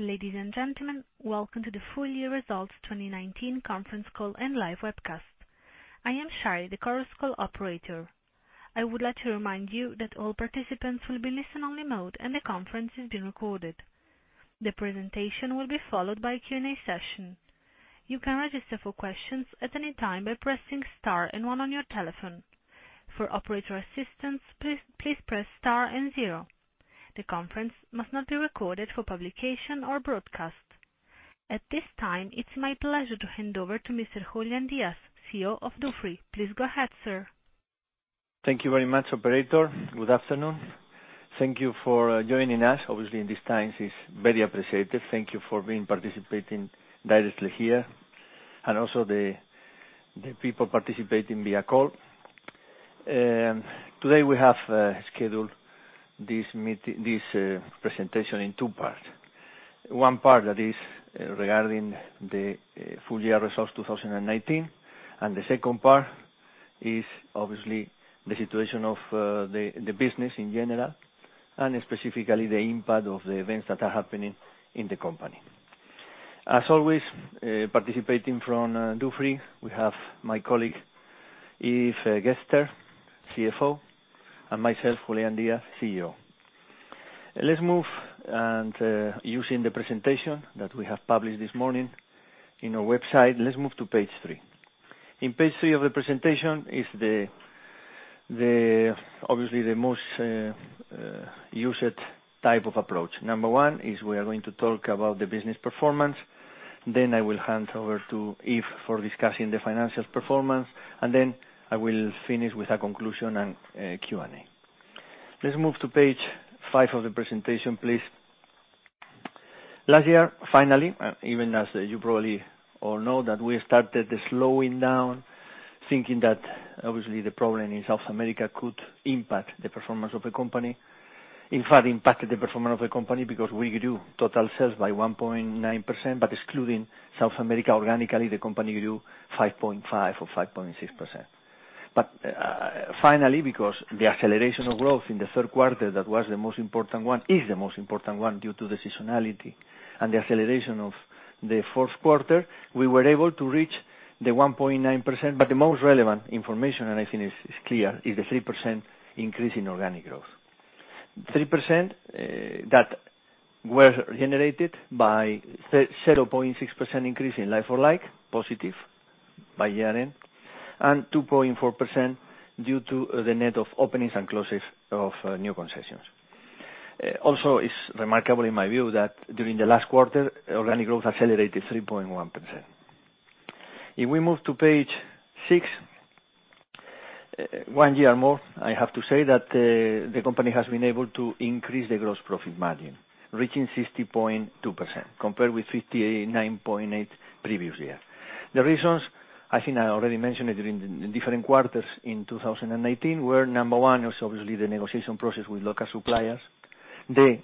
Ladies and gentlemen, welcome to the full year results 2019 conference call and live webcast. I am Shari, the conference call operator. I would like to remind you that all participants will be in listen-only mode and the conference is being recorded. The presentation will be followed by a Q&A session. You can register for questions at any time by pressing star and one on your telephone. For operator assistance, please press star and zero. The conference must not be recorded for publication or broadcast. At this time, it's my pleasure to hand over to Mr. Julián Díaz, CEO of Dufry. Please go ahead, sir. Thank you very much, operator. Good afternoon. Thank you for joining us. Obviously, in these times it's very appreciated. Thank you for participating directly here and also the people participating via call. Today we have scheduled this presentation in two parts. One part that is regarding the full year results 2019, and the second part is obviously the situation of the business in general, and specifically the impact of the events that are happening in the company. As always, participating from Dufry, we have my colleague, Yves Gerster, CFO, and myself, Julián Díaz, CEO. Let's move on. Using the presentation that we have published this morning on our website, let's move to page three. On page three of the presentation is obviously the most used type of approach. Number one is we are going to talk about the business performance. I will hand over to Yves for discussing the financial performance, and then I will finish with a conclusion and Q&A. Let's move to page five of the presentation, please. Last year, finally, even as you probably all know, that we started slowing down, thinking that obviously the problem in South America could impact the performance of the company. In fact, impacted the performance of the company because we grew total sales by 1.9%, but excluding South America organically, the company grew 5.5% or 5.6%. Finally, because the acceleration of growth in the third quarter, that was the most important one, is the most important one due to the seasonality and the acceleration of the fourth quarter, we were able to reach the 1.9%. The most relevant information, and I think it's clear, is the 3% increase in organic growth. 3% that was generated by 0.6% increase in like-for-like, positive by year-end, and 2.4% due to the net of openings and closures of new concessions. It's remarkable in my view that during the last quarter, organic growth accelerated 3.1%. If we move to page six. One year more, I have to say that the company has been able to increase the gross profit margin, reaching 60.2%, compared with 59.8% previous year. The reasons, I think I already mentioned it during the different quarters in 2019, were, number one, was obviously the negotiation process with local suppliers, the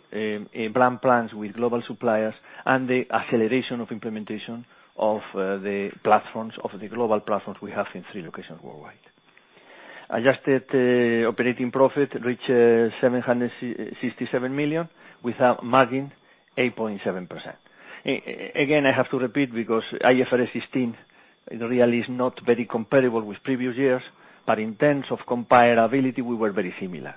brand plans with global suppliers, and the acceleration of implementation of the global platforms we have in three locations worldwide. Adjusted operating profit reached 767 million, with a margin 8.7%. Again, I have to repeat because IFRS 16 really is not very comparable with previous years, but in terms of comparability, we were very similar.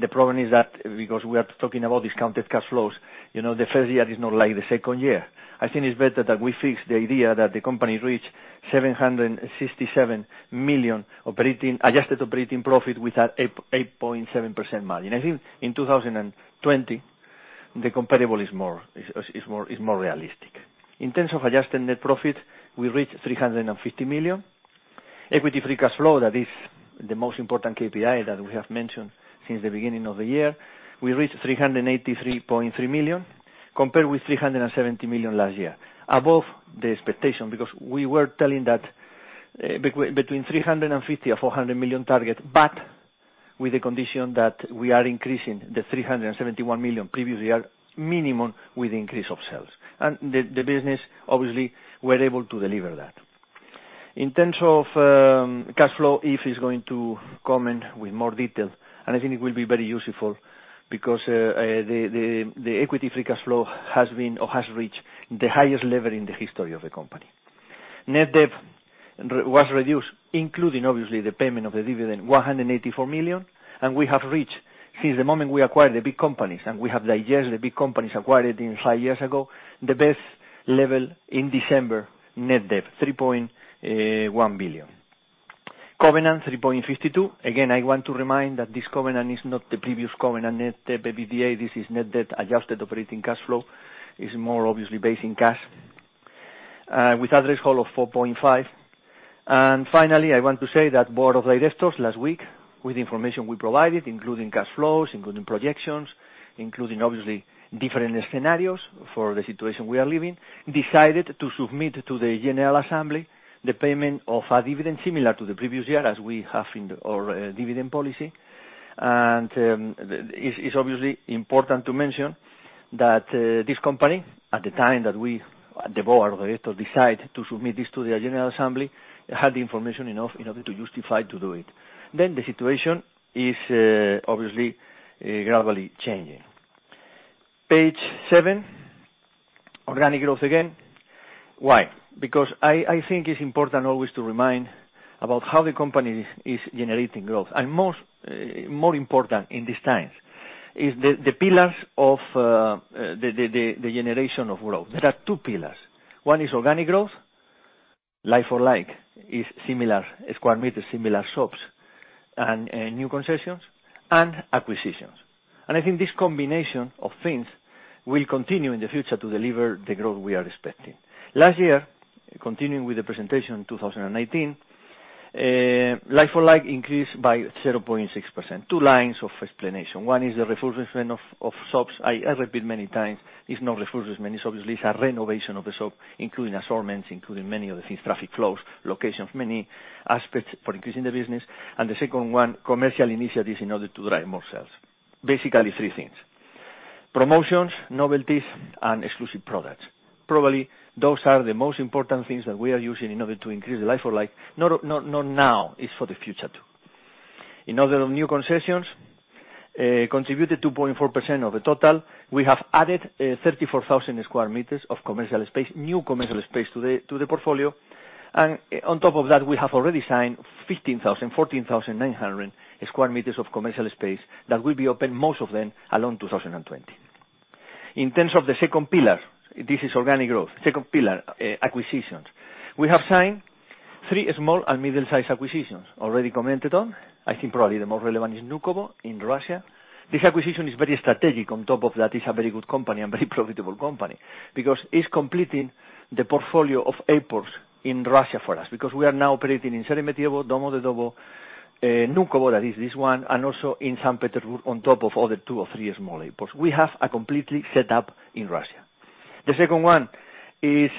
The problem is that because we are talking about discounted cash flows, the first year is not like the second year. I think it's better that we fix the idea that the company reached 767 million adjusted operating profit with an 8.7% margin. I think in 2020, the comparable is more realistic. In terms of adjusted net profit, we reached 350 million. Equity free cash flow, that is the most important KPI that we have mentioned since the beginning of the year. We reached 383.3 million, compared with 370 million last year. Above the expectation, because we were telling that between 350 million or 400 million target, but with the condition that we are increasing the 371 million previous year minimum with increase of sales. The business, obviously, were able to deliver that. In terms of cash flow, Yves is going to comment with more detail, and I think it will be very useful because the equity free cash flow has reached the highest level in the history of the company. Net debt was reduced, including obviously the payment of the dividend, 184 million, and we have reached, since the moment we acquired the big companies, and we have digested the big companies acquired five years ago, the best level in December net debt, 3.1 billion. Covenant 3.52. Again, I want to remind that this covenant is not the previous covenant net debt EBITDA. This is net debt adjusted operating cash flow, is more obviously based in cash. With a ratio of 4.5. Finally, I want to say that Board of Directors last week, with the information we provided, including cash flows, including projections, including obviously different scenarios for the situation we are living in, decided to submit to the general assembly the payment of a dividend similar to the previous year as we have in our dividend policy. It's obviously important to mention that this company, at the time that The Board or the rest decide to submit this to the general assembly, had the information enough in order to justify to do it. The situation is obviously gradually changing. Page seven, organic growth again. Why? I think it's important always to remind about how the company is generating growth. More important in this time is the pillars of the generation of growth. There are two pillars. One is organic growth, like-for-like, is similar square meter, similar shops, and new concessions and acquisitions. I think this combination of things will continue in the future to deliver the growth we are expecting. Last year, continuing with the presentation 2019, like-for-like increased by 0.6%. Two lines of explanation. One is the refurbishment of shops. I repeat many times, it's not refurbishment, many shops, it's a renovation of the shop, including assortments, including many other things, traffic flows, locations, many aspects for increasing the business. The second one, commercial initiatives in order to drive more sales. Basically three things. Promotions, novelties, and exclusive products. Probably those are the most important things that we are using in order to increase the like-for-like, not now, it's for the future too. In order of new concessions, contributed 2.4% of the total. We have added 34,000 sq m of commercial space, new commercial space to the portfolio. On top of that, we have already signed 14,900 sq m of commercial space that will be open, most of them, along 2020. In terms of the second pillar, this is organic growth. Second pillar, acquisitions. We have signed three small and middle-sized acquisitions, already commented on. I think probably the most relevant is Vnukovo in Russia. This acquisition is very strategic. On top of that, it's a very good company and very profitable company, because it's completing the portfolio of airports in Russia for us. We are now operating in Sheremetyevo, Domodedovo, Vnukovo, that is this one, and also in Saint Petersburg, on top of other two or three small airports. We have a completely set up in Russia. The second one is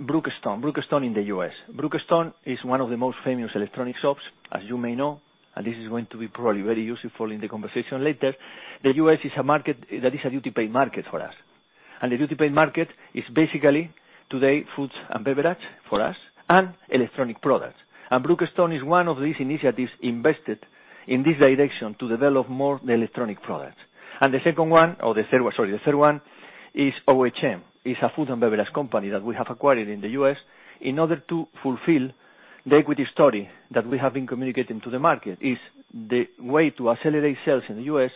Brookstone in the U.S. Brookstone is one of the most famous electronic shops, as you may know. This is going to be probably very useful in the conversation later. The U.S. is a market that is a duty-paid market for us. The duty-paid market is basically, today, food and beverage for us and electronic products. Brookstone is one of these initiatives invested in this direction to develop more the electronic products. The second one, or the third one, sorry. The third one is OHM. It's a food and beverage company that we have acquired in the U.S. in order to fulfill the equity story that we have been communicating to the market, is the way to accelerate sales in the U.S.,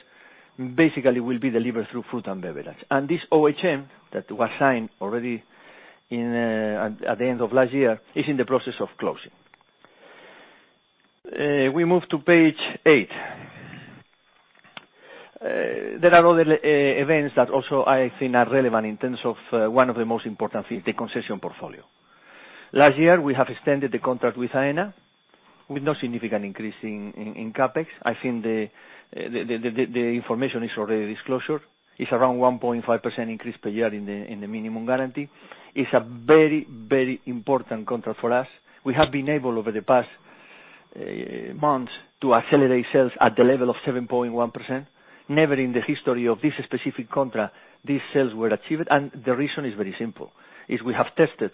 basically will be delivered through food and beverage. This OHM, that was signed already at the end of last year, is in the process of closing. We move to page eight. There are other events that also I think are relevant in terms of one of the most important things, the concession portfolio. Last year, we have extended the contract with Aena with no significant increase in CapEx. I think the information is already disclosure. It's around 1.5% increase per year in the minimum guarantee. It's a very, very important contract for us. We have been able, over the past months, to accelerate sales at the level of 7.1%. Never in the history of this specific contract these sales were achieved. The reason is very simple, is we have tested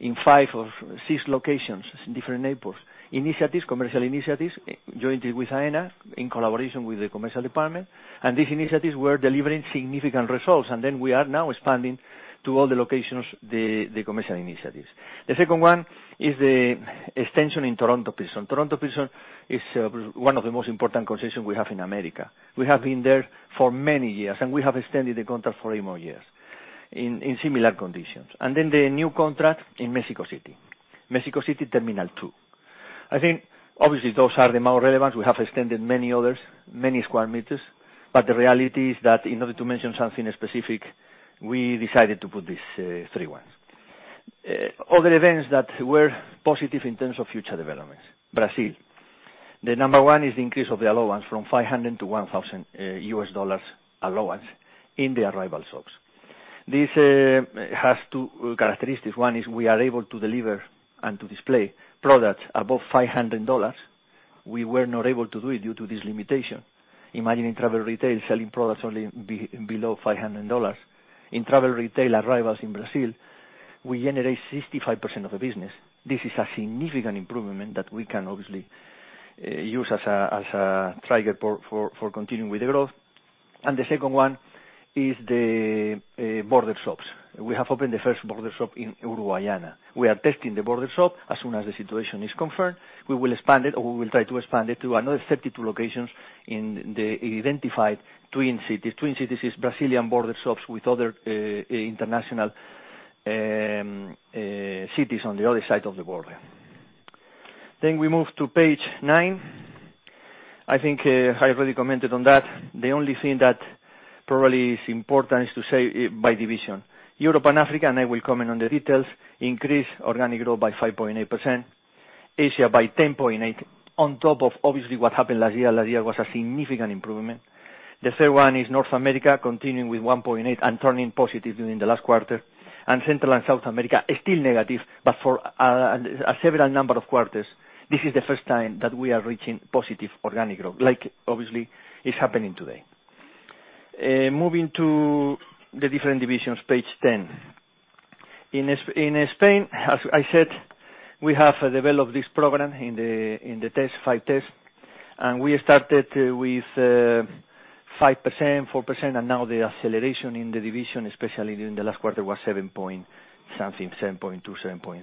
in five of six locations, different airports, initiatives, commercial initiatives, jointly with Aena in collaboration with the commercial department. These initiatives were delivering significant results. We are now expanding to all the locations the commercial initiatives. The second one is the extension in Toronto Pearson. Toronto Pearson is one of the most important concessions we have in America. We have been there for many years, we have extended the contract for eight more years in similar conditions. Then the new contract in Mexico City, Mexico City Terminal 2. I think, obviously, those are the more relevant. We have extended many others, many square meters, the reality is that in order to mention something specific, we decided to put these three ones. Other events that were positive in terms of future developments. Brazil. The number one is the increase of the allowance from $500 to $1,000 US dollars allowance in the arrival shops. This has two characteristics. One is we are able to deliver and to display products above $500. We were not able to do it due to this limitation. Imagine in travel retail, selling products only below $500. In travel retail arrivals in Brazil, we generate 65% of the business. This is a significant improvement that we can obviously use as a trigger for continuing with the growth. The second one is the border shops. We have opened the first border shop in Uruguaiana. We are testing the border shop. As soon as the situation is confirmed, we will expand it, or we will try to expand it to another 32 locations in the identified twin cities. Twin cities is Brazilian border shops with other international cities on the other side of the border. We move to page nine. I think I already commented on that. The only thing that probably is important is to say it by division. Europe and Africa, and I will comment on the details, increased organic growth by 5.8%. Asia by 10.8 on top of obviously what happened last year. Last year was a significant improvement. The third one is North America, continuing with 1.8 and turning positive during the last quarter. Central and South America, still negative, but for a several number of quarters, this is the first time that we are reaching positive organic growth, like obviously is happening today. Moving to the different divisions, page 10. In Spain, as I said, we have developed this program in the test, five tests, and we started with 5%, 4%, and now the acceleration in the division, especially during the last quarter, was seven-point-something, 7.2, 7.3.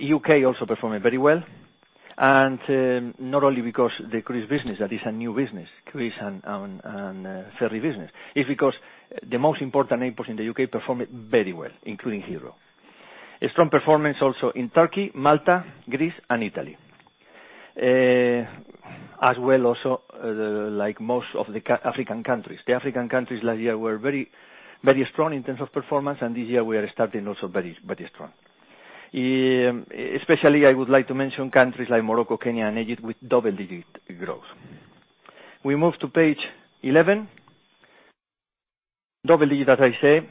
U.K. also performed very well, not only because the cruise business, that is a new business, cruise and ferry business. It's because the most important airports in the U.K. performed very well, including Heathrow. A strong performance also in Turkey, Malta, Greece and Italy. As well, most of the African countries. The African countries last year were very strong in terms of performance, and this year we are starting very strong. Especially, I would like to mention countries like Morocco, Kenya, and Egypt with double-digit growth. We move to page 11. Double-digit, as I said,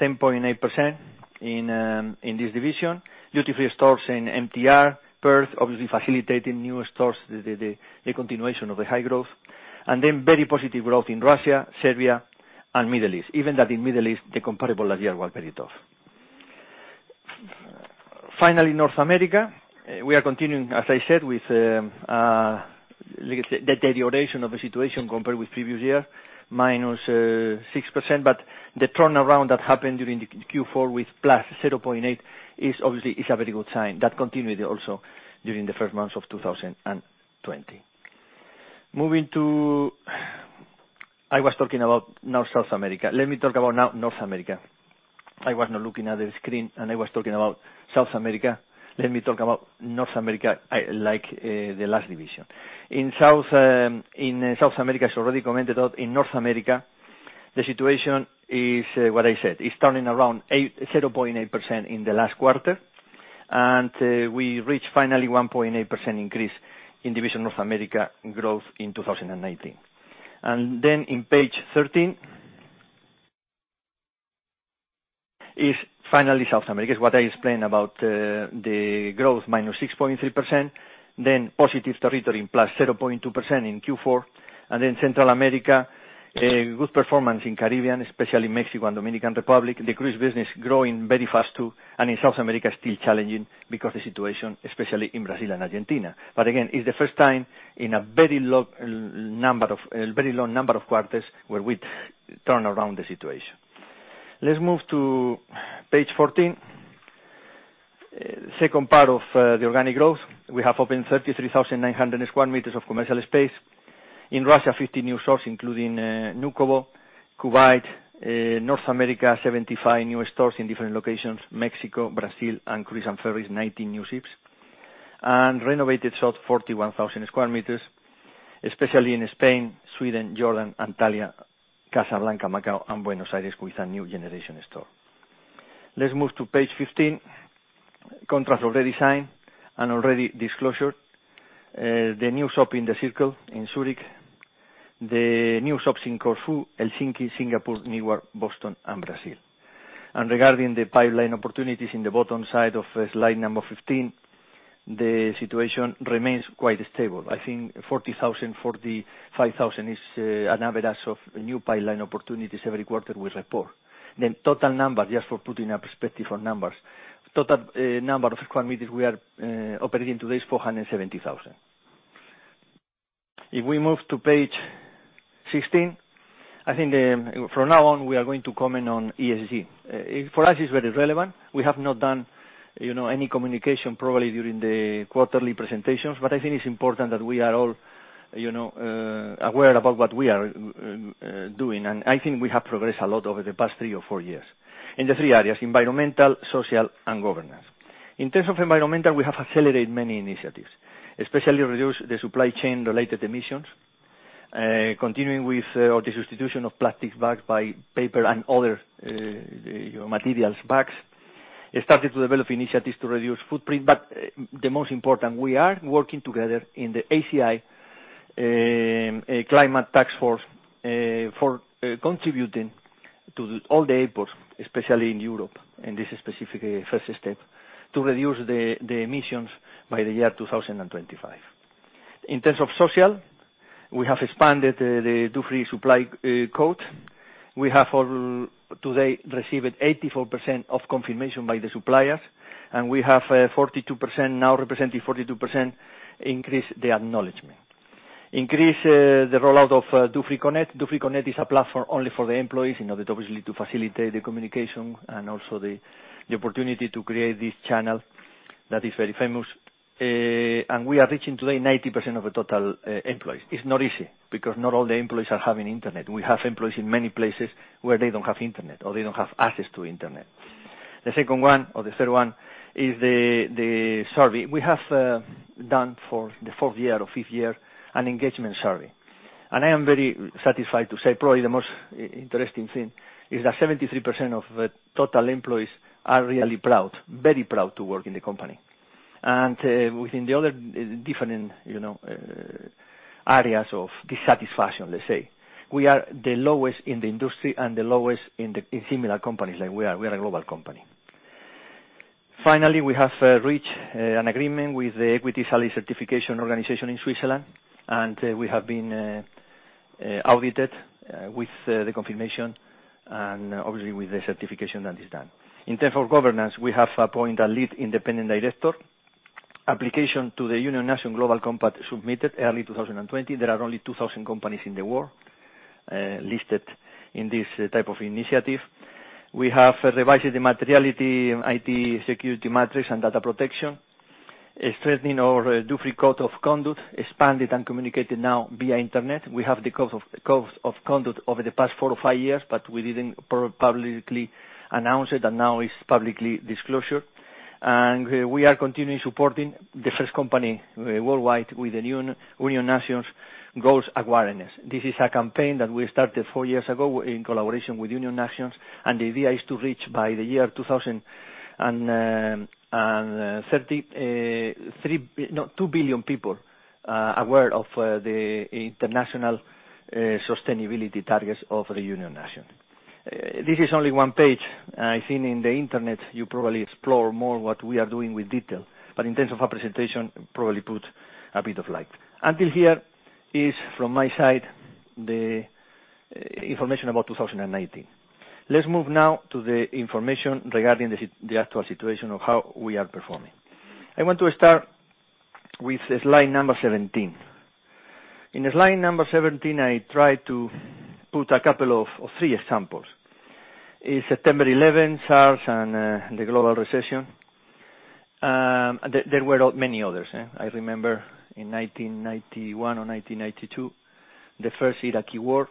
10.8% in this division. Duty-free stores in MTR, Perth, obviously facilitating new stores, the continuation of the high growth. Very positive growth in Russia, Serbia, and Middle East. Even that in Middle East, the comparable last year was very tough. Finally, North America. We are continuing, as I said, with the deterioration of the situation compared with previous year, minus 6%, but the turnaround that happened during the Q4 with plus 0.8% is obviously a very good sign. That continued also during the first months of 2020. I was talking about South America. Let me talk about now North America. I was not looking at the screen and I was talking about South America. Let me talk about North America, like the last division. In South America, as already commented, in North America, the situation is what I said. It's turning around 0.8% in the last quarter, and we reached finally 1.8% increase in division North America growth in 2019. In page 13 is finally South America, is what I explained about the growth -6.3%, then positive territory +0.2% in Q4, and then Central America, good performance in Caribbean, especially Mexico and Dominican Republic. The cruise business growing very fast too, and in South America, still challenging because the situation, especially in Brazil and Argentina. Again, it's the first time in a very long number of quarters where we turn around the situation. Let's move to page 14. Second part of the organic growth. We have opened 33,900 sq m of commercial space. In Russia, 50 new stores, including Vnukovo, Kuwait, North America, 75 new stores in different locations, Mexico, Brazil, and Cruise and Ferries, 19 new ships, and renovated shops 41,000 sq m, especially in Spain, Sweden, Jordan, Antalya, Casablanca, Macau, and Buenos Aires with a new generation store. Let's move to page 15. Contracts already signed and already disclosure. The new shop in the Circle in Zurich. The new shops in Corfu, Helsinki, Singapore, Newark, Boston, and Brazil. Regarding the pipeline opportunities in the bottom side of slide number 15, the situation remains quite stable. I think 40,000, 45,000 is an average of new pipeline opportunities every quarter we report. Total number, just for putting a perspective on numbers. Total number of sq m we are operating today is 470,000. If we move to page 16, I think from now on, we are going to comment on ESG. For us, it's very relevant. We have not done any communication probably during the quarterly presentations. I think it's important that we are all aware about what we are doing. I think we have progressed a lot over the past three or four years in the three areas, environmental, social, and governance. In terms of environmental, we have accelerated many initiatives, especially reduce the supply chain-related emissions, continuing with the substitution of plastic bags by paper and other materials bags. We started to develop initiatives to reduce footprint. The most important, we are working together in the ACI, a climate task force, for contributing to all the airports, especially in Europe. This is specifically a first step to reduce the emissions by the year 2025. In terms of social, we have expanded the duty-free supply code. We have today received 84% of confirmation by the suppliers. We have now representing 42% increase the acknowledgment. Increase the rollout of Duty Free Connect. Duty Free Connect is a platform only for the employees in order to obviously facilitate the communication and also the opportunity to create this channel that is very famous. We are reaching today 90% of the total employees. It's not easy because not all the employees are having internet. We have employees in many places where they don't have internet or they don't have access to internet. The second one or the third one is the survey. We have done for the fourth year or fifth year an engagement survey. I am very satisfied to say probably the most interesting thing is that 73% of the total employees are really proud, very proud to work in the company. Within the other different areas of dissatisfaction, let's say, we are the lowest in the industry and the lowest in similar companies like we are. We are a global company. Finally, we have reached an agreement with the EQUAL-SALARY Foundation in Switzerland, and we have been audited with the confirmation and obviously with the certification that is done. In terms of governance, we have appointed a lead independent director. Application to the United Nations Global Compact submitted early 2020. There are only 2,000 companies in the world listed in this type of initiative. We have revised the materiality IT security metrics and data protection, strengthening our Dufry Code of Conduct, expanded, and communicated now via internet. We have the Code of Conduct over the past four or five years, we didn't publicly announce it, now it's publicly disclosed. We are continuing supporting the first company worldwide with the United Nations goals awareness. This is a campaign that we started four years ago in collaboration with United Nations, the idea is to reach by the year 2030, two billion people aware of the international sustainability targets of the United Nations. This is only one page. I think in the internet, you probably explore more what we are doing with detail. In terms of a presentation, probably puts a bit of light. Until here is from my side, the information about 2019. Let's move now to the information regarding the actual situation of how we are performing. I want to start with slide number 17. In slide number 17, I try to put three examples. Is September 11th, SARS, and the global recession. There were many others. I remember in 1991 or 1992, the first Iraqi war.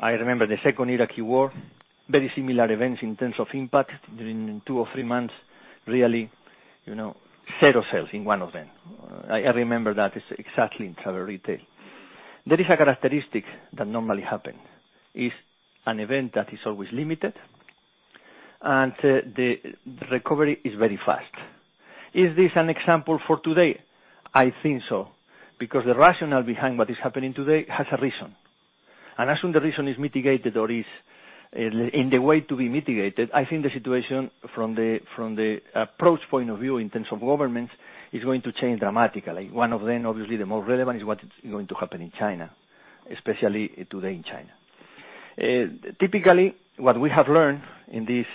I remember the second Iraqi war, very similar events in terms of impact during two or three months, really, zero sales in one of them. I remember that exactly in travel retail. There is a characteristic that normally happen, is an event that is always limited, and the recovery is very fast. Is this an example for today? I think so, because the rationale behind what is happening today has a reason. As soon the reason is mitigated or is in the way to be mitigated, I think the situation from the approach point of view in terms of governments is going to change dramatically. One of them, obviously, the most relevant is what is going to happen in China, especially today in China. Typically, what we have learned in these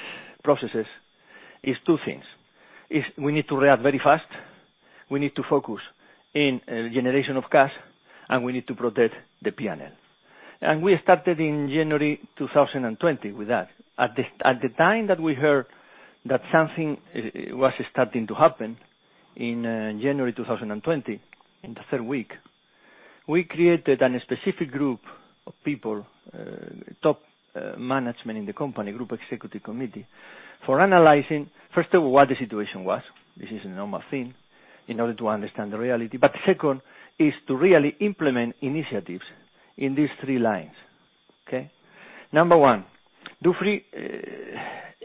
processes is two things. We need to react very fast, we need to focus in generation of cash, and we need to protect the P&L. We started in January 2020 with that. At the time that we heard that something was starting to happen in January 2020, in the third week, we created a specific group of people, top management in the company, Group Executive Committee, for analyzing, first of all, what the situation was. This is a normal thing in order to understand the reality. Second, is to really implement initiatives in these three lines. Okay. Number one, Duty Free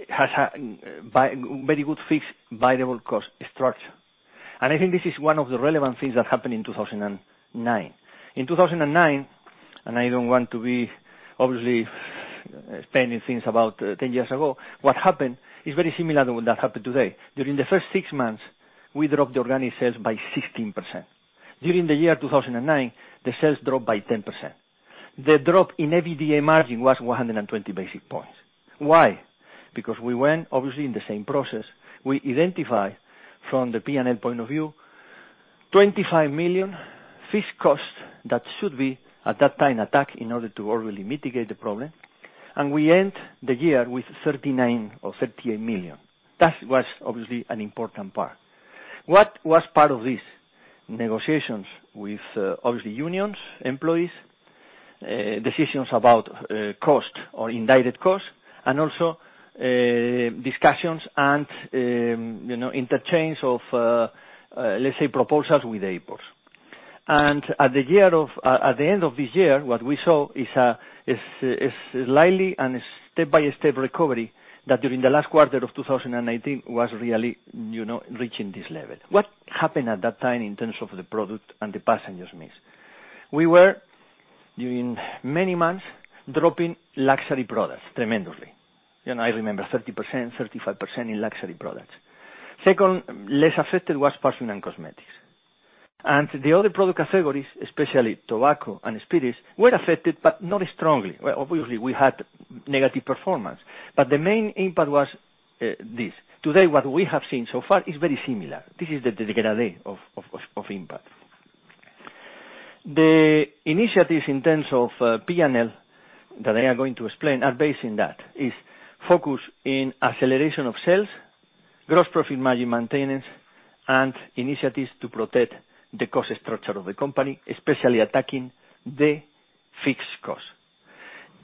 has a very good fixed variable cost structure. I think this is one of the relevant things that happened in 2009. In 2009, I don't want to be obviously expanding things about 10 years ago, what happened is very similar to what happened today. During the first six months, we dropped the organic sales by 16%. During the year 2009, the sales dropped by 10%. The drop in EBITDA margin was 120 basic points. Why? Because we went, obviously, in the same process. We identified from the P&L point of view, 25 million fixed cost that should be at that time attacked in order to really mitigate the problem. We end the year with 39 or 38 million. That was obviously an important part. What was part of this? Negotiations with, obviously, unions, employees, decisions about cost or indirect cost, and also, discussions and interchange of, let's say, proposals with airports. At the end of this year, what we saw is a slightly and step-by-step recovery that during the last quarter of 2019 was really reaching this level. What happened at that time in terms of the product and the passengers mix? We were, during many months, dropping luxury products tremendously. I remember 30%, 35% in luxury products. Second, less affected was perfume and cosmetics. The other product categories, especially tobacco and spirits, were affected, but not strongly. Well, obviously, we had negative performance, but the main impact was this. Today, what we have seen so far is very similar. This is the degree of impact. The initiatives in terms of P&L that I am going to explain are based in that. is in acceleration of sales, gross profit margin maintenance, and initiatives to protect the cost structure of the company, especially attacking the fixed cost.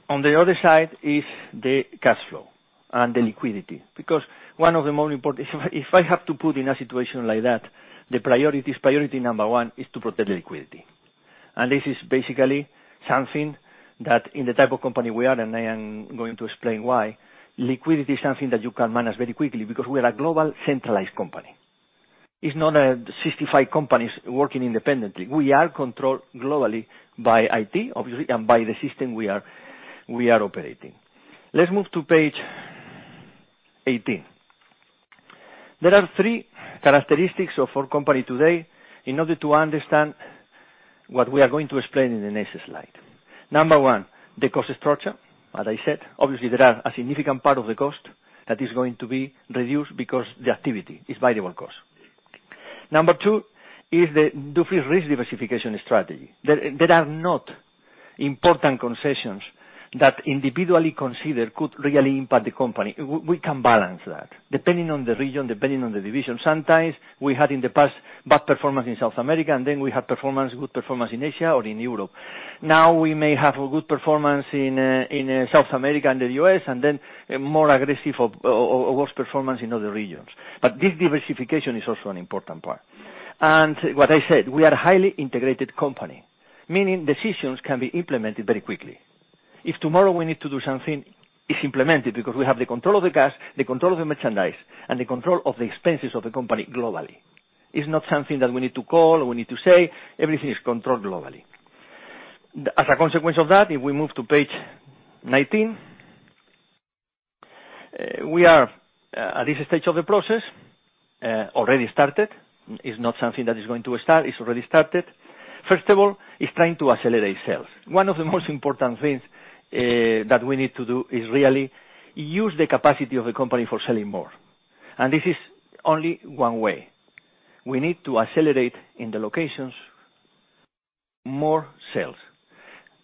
On the other side is the cash flow and the liquidity. If I have to put in a situation like that, the priority number 1 is to protect the liquidity. This is basically something that in the type of company we are, and I am going to explain why, liquidity is something that you can manage very quickly because we are a global centralized company. It's not 65 companies working independently. We are controlled globally by IT, obviously, and by the system we are operating. Let's move to page 18. There are three characteristics of our company today in order to understand what we are going to explain in the next slide. Number 1, the cost structure, as I said. There are a significant part of the cost that is going to be reduced because the activity is variable cost. Number two is the Dufry risk diversification strategy. There are not important concessions that individually considered could really impact the company. We can balance that depending on the region, depending on the division. Sometimes we had in the past bad performance in South America, then we have good performance in Asia or in Europe. We may have a good performance in South America and the U.S., then a more aggressive or worse performance in other regions. This diversification is also an important part. What I said, we are a highly integrated company, meaning decisions can be implemented very quickly. If tomorrow we need to do something, it's implemented because we have the control of the cash, the control of the merchandise, and the control of the expenses of the company globally. It's not something that we need to call or we need to say. Everything is controlled globally. If we move to page 19. We are at this stage of the process, already started. It's not something that is going to start. It's already started. First of all, it's trying to accelerate sales. One of the most important things that we need to do is really use the capacity of the company for selling more. This is only one way. We need to accelerate in the locations more sales.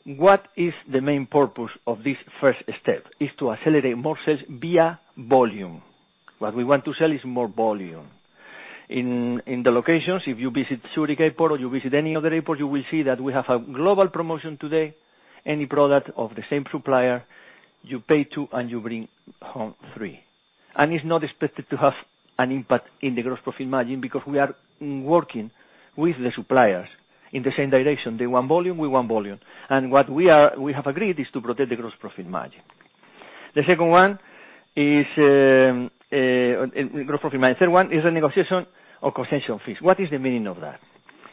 What is the main purpose of this first step is to accelerate more sales via volume. What we want to sell is more volume. In the locations, if you visit Zurich Airport or you visit any other airport, you will see that we have a global promotion today. Any product of the same supplier, you pay two and you bring home three. It's not expected to have an impact in the gross profit margin because we are working with the suppliers in the same direction. They want volume, we want volume. What we have agreed is to protect the gross profit margin. The third one is a negotiation of concession fees. What is the meaning of that?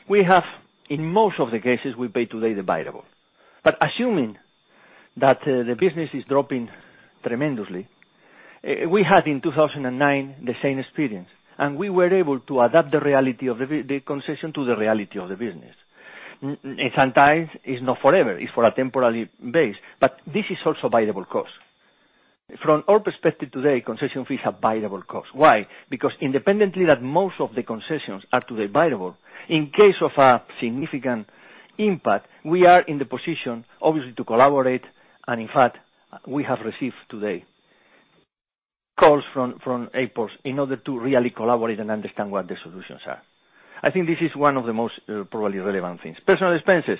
We have, in most of the cases, we pay today the variable. Assuming that the business is dropping tremendously, we had in 2009 the same experience, and we were able to adapt the reality of the concession to the reality of the business. Sometimes it's not forever, it's for a temporary basis, this is also variable cost. From our perspective today, concession fees have variable cost. Why? Independently that most of the concessions are today variable, in case of a significant impact, we are in the position, obviously, to collaborate, and in fact, we have received today calls from airports in order to really collaborate and understand what the solutions are. I think this is one of the most probably relevant things. Personal expenses.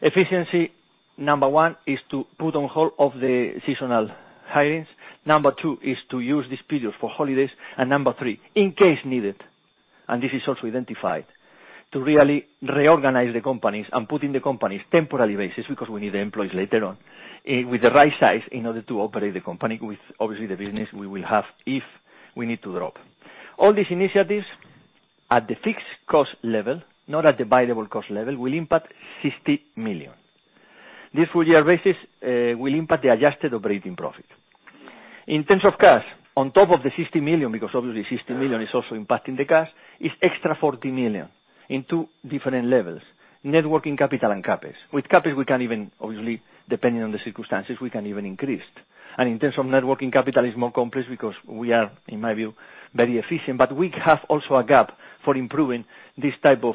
Efficiency, number 1, is to put on hold the seasonal hirings. Number two is to use this period for holidays. Number three, in case needed, and this is also identified, to really reorganize the companies and put in the companies temporary basis because we need the employees later on with the right size in order to operate the company with obviously the business we will have if we need to drop. All these initiatives at the fixed cost level, not at the variable cost level, will impact 60 million. This full year basis will impact the adjusted operating profit. In terms of cash, on top of the 60 million, because obviously 60 million is also impacting the cash, is extra 40 million in two different levels, net working capital and CapEx. With CapEx, we can even obviously, depending on the circumstances, we can even increase. In terms of net working capital, it's more complex because we are, in my view, very efficient, but we have also a gap for improving this type of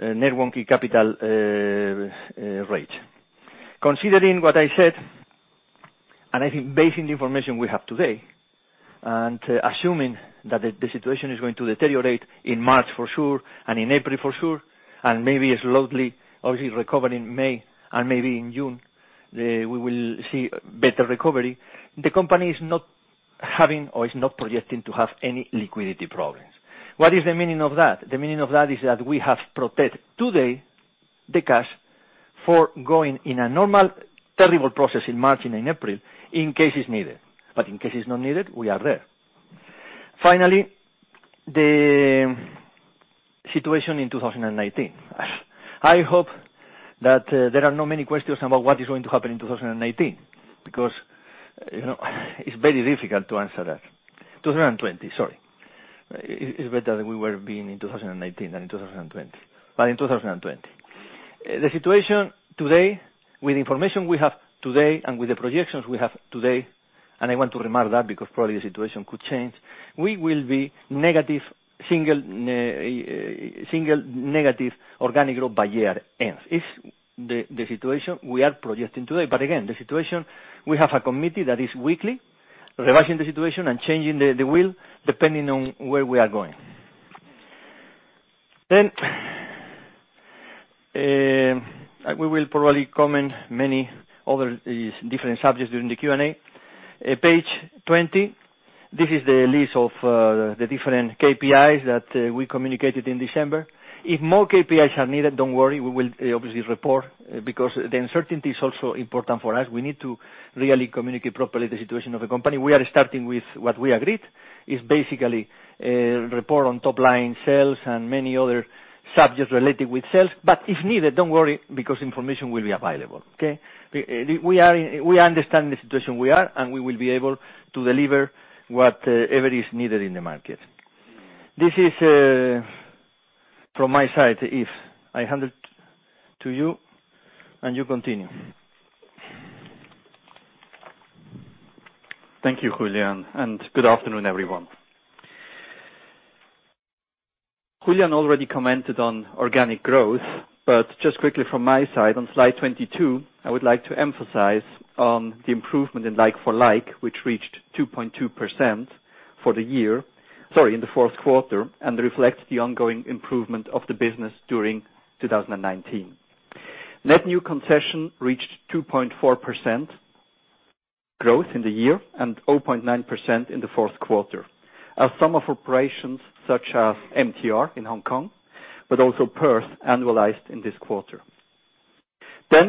net working capital rate. Considering what I said, and I think based on the information we have today, and assuming that the situation is going to deteriorate in March for sure and in April for sure, and maybe slowly, obviously recover in May and maybe in June, we will see better recovery. The company is not having or is not projecting to have any liquidity problems. What is the meaning of that? The meaning of that is that we have protected today the cash for going in a normal terrible process in March and in April in case it's needed. In case it's not needed, we are there. Finally, the situation in 2019. I hope that there are not many questions about what is going to happen in 2019, because it's very difficult to answer that. 2020, sorry. It's better that we were being in 2019 than in 2020, but in 2020. The situation today with information we have today and with the projections we have today, and I want to remark that because probably the situation could change, we will be single negative organic growth by year end. It's the situation we are projecting today. Again, the situation, we have a committee that is weekly revising the situation and changing the wheel depending on where we are going. We will probably comment many other different subjects during the Q&A. Page 20, this is the list of the different KPIs that we communicated in December. If more KPIs are needed, don't worry, we will obviously report because the uncertainty is also important for us. We need to really communicate properly the situation of the company. We are starting with what we agreed. It is basically a report on top line sales and many other subjects related with sales. If needed, don't worry, because information will be available, okay? We understand the situation we are in, and we will be able to deliver whatever is needed in the market. This is from my side. Yves, I hand it to you, and you continue. Thank you, Julián, and good afternoon, everyone. Julián already commented on organic growth, just quickly from my side, on slide 22, I would like to emphasize on the improvement in like-for-like, which reached 2.2% in the fourth quarter, and reflects the ongoing improvement of the business during 2019. Net new concession reached 2.4% growth in the year, and 0.9% in the fourth quarter. As some of operations, such as MTR in Hong Kong, but also Perth, annualized in this quarter.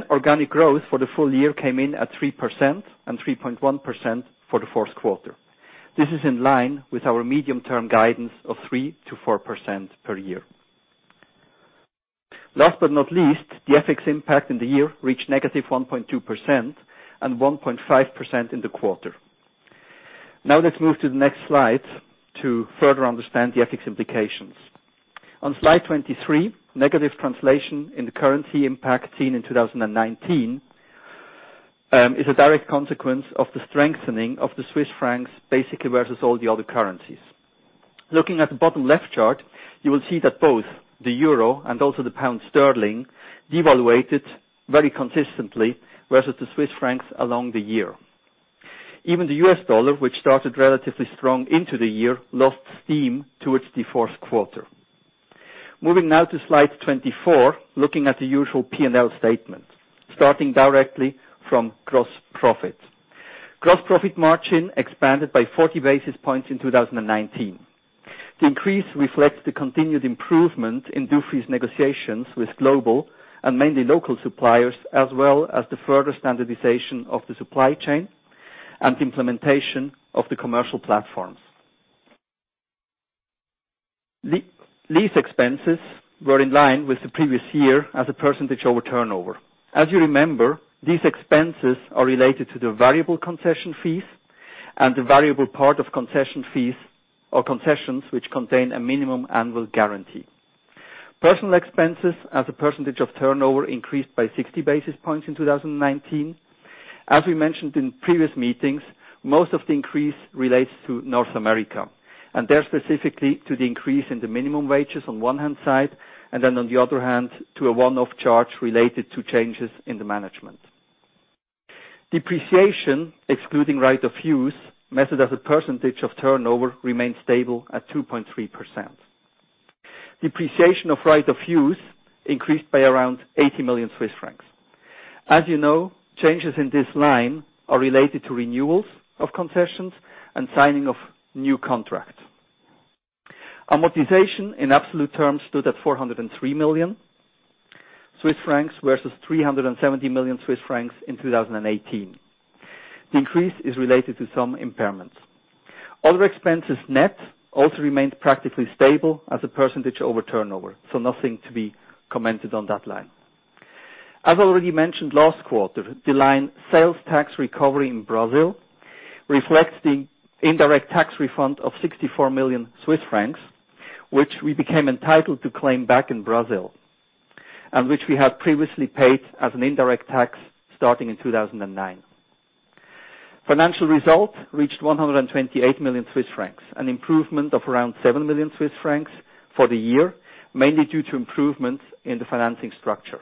Organic growth for the full year came in at 3% and 3.1% for the fourth quarter. This is in line with our medium-term guidance of 3%-4% per year. Last but not least, the FX impact in the year reached -1.2% and 1.5% in the quarter. Let's move to the next slide to further understand the FX implications. On slide 23, negative translation in the currency impact seen in 2019 is a direct consequence of the strengthening of the Swiss francs, basically versus all the other currencies. Looking at the bottom left chart, you will see that both the euro and also the pound sterling devaluated very consistently versus the Swiss francs along the year. The US dollar, which started relatively strong into the year, lost steam towards the fourth quarter. Moving now to slide 24, looking at the usual P&L statement, starting directly from gross profit. Gross profit margin expanded by 40 basis points in 2019. The increase reflects the continued improvement in Dufry's negotiations with global and mainly local suppliers, as well as the further standardization of the supply chain and implementation of the commercial platforms. Lease expenses were in line with the previous year as a percentage over turnover. As you remember, these expenses are related to the variable concession fees and the variable part of concession fees or concessions which contain a minimum annual guarantee. Personnel expenses as a percentage of turnover increased by 60 basis points in 2019. As we mentioned in previous meetings, most of the increase relates to North America, and there specifically to the increase in the minimum wages on one hand side, and then on the other hand, to a one-off charge related to changes in the management. Depreciation, excluding right of use, measured as a percentage of turnover, remained stable at 2.3%. Depreciation of right of use increased by around 80 million Swiss francs. As you know, changes in this line are related to renewals of concessions and signing of new contracts. Amortization in absolute terms stood at 403 million Swiss francs versus 370 million Swiss francs in 2018. The increase is related to some impairments. Other expenses net also remained practically stable as a % over turnover. Nothing to be commented on that line. As already mentioned last quarter, the line sales tax recovery in Brazil reflects the indirect tax refund of 64 million Swiss francs, which we became entitled to claim back in Brazil. Which we had previously paid as an indirect tax starting in 2009. Financial result reached 128 million Swiss francs, an improvement of around 7 million Swiss francs for the year, mainly due to improvements in the financing structure.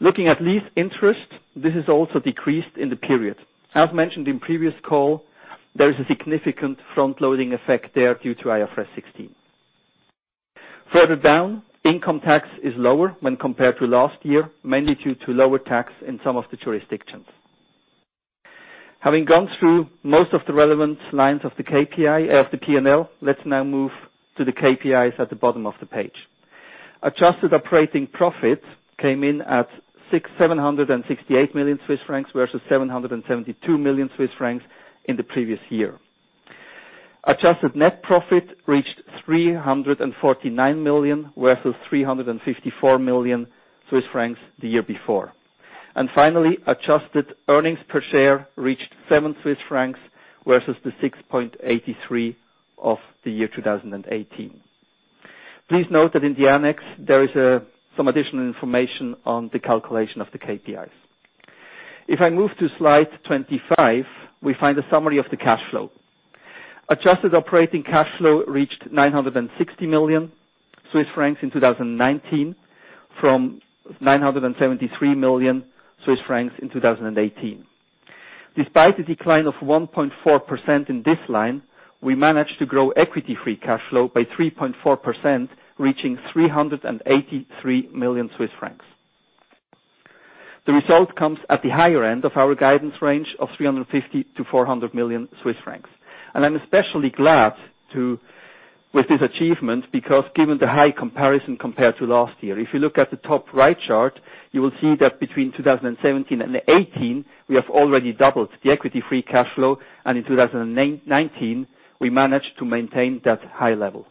Looking at lease interest, this has also decreased in the period. As mentioned in previous call, there is a significant front-loading effect there due to IFRS 16. Further down, income tax is lower when compared to last year, mainly due to lower tax in some of the jurisdictions. Having gone through most of the relevant lines of the P&L, let's now move to the KPIs at the bottom of the page. Adjusted operating profit came in at 768 million Swiss francs versus 772 million Swiss francs in the previous year. Adjusted net profit reached 349 million versus 354 million Swiss francs the year before. Finally, adjusted earnings per share reached 7 Swiss francs versus the 6.83 of the year 2018. Please note that in the annex, there is some additional information on the calculation of the KPIs. If I move to slide 25, we find a summary of the cash flow. Adjusted operating cash flow reached 960 million Swiss francs in 2019 from 973 million Swiss francs in 2018. Despite the decline of 1.4% in this line, we managed to grow equity-free cash flow by 3.4%, reaching 383 million Swiss francs. The result comes at the higher end of our guidance range of 350 million-400 million Swiss francs. I'm especially glad with this achievement, because given the high comparison compared to last year. If you look at the top right chart, you will see that between 2017 and 2018, we have already doubled the equity-free cash flow, and in 2019, we managed to maintain that high level.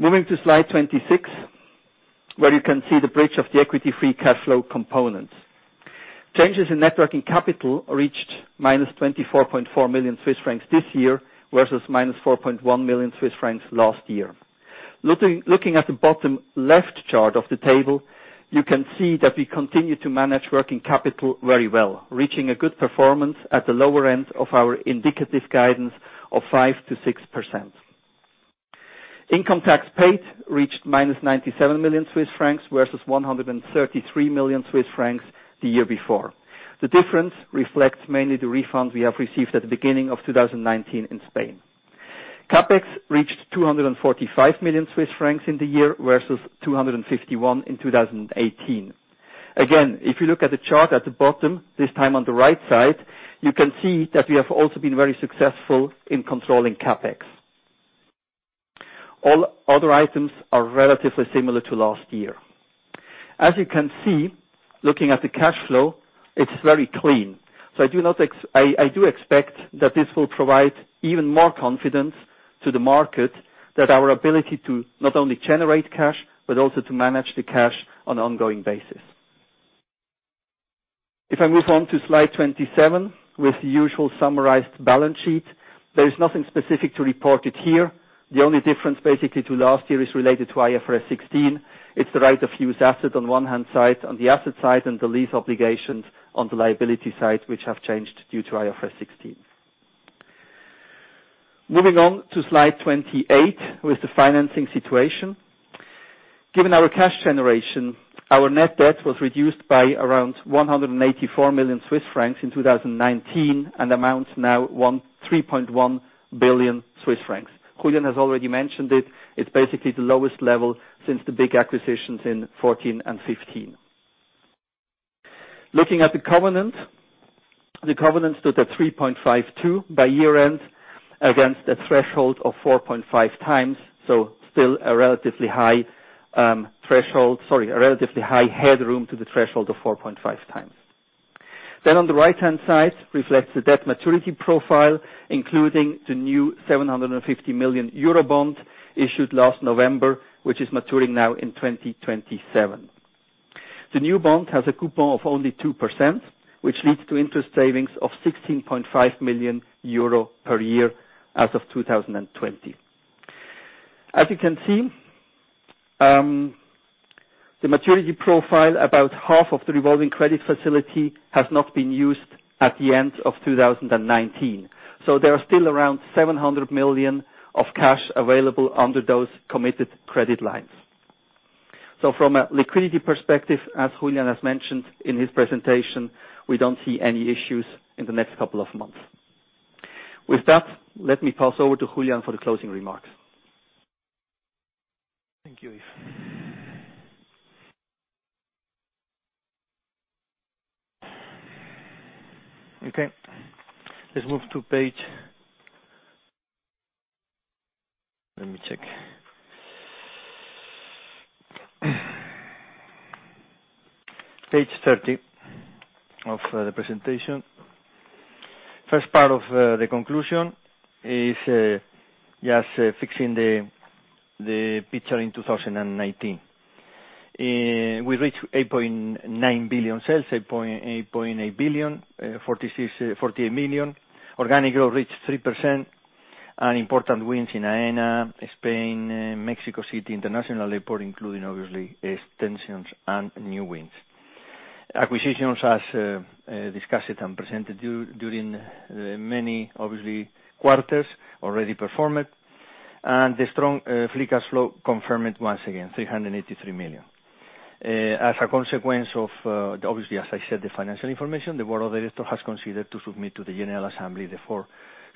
Moving to slide 26, where you can see the bridge of the equity free cash flow component. Changes in net working capital reached minus 24.4 million Swiss francs this year, versus minus 4.1 million Swiss francs last year. Looking at the bottom left chart of the table, you can see that we continue to manage working capital very well, reaching a good performance at the lower end of our indicative guidance of 5%-6%. Income tax paid reached minus 97 million Swiss francs versus 133 million Swiss francs the year before. The difference reflects mainly the refunds we have received at the beginning of 2019 in Spain. CapEx reached 245 million Swiss francs in the year, versus 251 in 2018. If you look at the chart at the bottom, this time on the right side, you can see that we have also been very successful in controlling CapEx. All other items are relatively similar to last year. As you can see, looking at the cash flow, it's very clean. I do expect that this will provide even more confidence to the market that our ability to not only generate cash, but also to manage the cash on an ongoing basis. If I move on to slide 27 with the usual summarized balance sheet. There is nothing specific to report it here. The only difference basically to last year is related to IFRS 16. It's the right of use asset on one hand side, on the asset side, and the lease obligations on the liability side, which have changed due to IFRS 16. Moving on to slide 28 with the financing situation. Given our cash generation, our net debt was reduced by around 184 million Swiss francs in 2019, and amounts now 3.1 billion Swiss francs. Julián has already mentioned it. It's basically the lowest level since the big acquisitions in 2014 and 2015. Looking at the covenant. The covenant stood at 3.52 by year-end against a threshold of 4.5 times. Still a relatively high headroom to the threshold of 4.5 times. On the right-hand side reflects the debt maturity profile, including the new 750 million euro bond issued last November, which is maturing now in 2027. The new bond has a coupon of only 2%, which leads to interest savings of 16.5 million euro per year as of 2020. As you can see, the maturity profile, about half of the revolving credit facility has not been used at the end of 2019. There are still around 700 million of cash available under those committed credit lines. From a liquidity perspective, as Julián has mentioned in his presentation, we don't see any issues in the next couple of months. With that, let me pass over to Julián for the closing remarks. Thank you, Yves. Okay, let's move to page 30 of the presentation. First part of the conclusion is just fixing the picture in 2019. We reached 8.9 billion sales, 8.8 billion, 48 million. Organic growth reached 3%. Important wins in Aena Spain, Mexico City International Airport, including obviously extensions and new wins. Acquisitions as discussed and presented during many, obviously, quarters already performed. The strong free cash flow confirmed once again, 383 million. As a consequence of, obviously, as I said, the financial information, the board of directors has considered to submit to the General Assembly the 4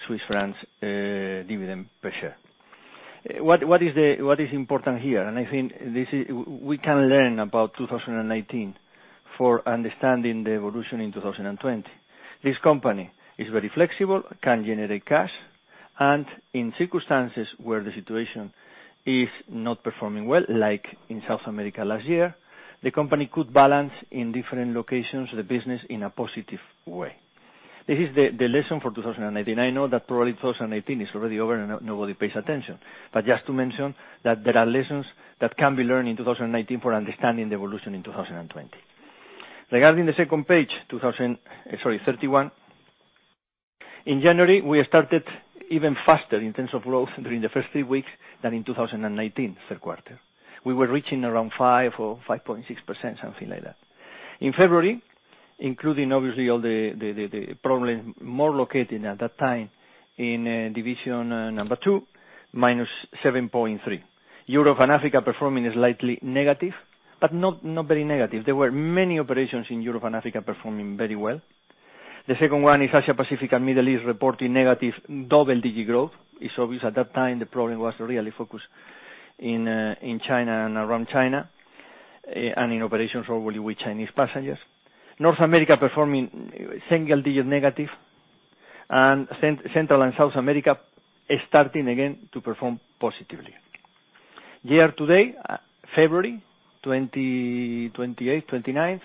Swiss francs dividend per share. What is important here, I think we can learn about 2019 for understanding the evolution in 2020. This company is very flexible, can generate cash, and in circumstances where the situation is not performing well, like in South America last year, the company could balance in different locations the business in a positive way. This is the lesson for 2019. I know that probably 2019 is already over and nobody pays attention. Just to mention that there are lessons that can be learned in 2019 for understanding the evolution in 2020. Regarding page 31. In January, we started even faster in terms of growth during the first three weeks than in 2019, third quarter. We were reaching around 5% or 5.6%, something like that. In February, including obviously all the problem more located at that time in division number 2, -7.3%. Europe and Africa performing slightly negative, but not very negative. There were many operations in Europe and Africa performing very well. The second one is Asia Pacific and Middle East reporting negative double-digit growth. It's obvious at that time, the problem was really focused in China and around China. In operations only with Chinese passengers. North America performing single-digit negative, and Central and South America is starting again to perform positively. Year to date, February 28, 29th,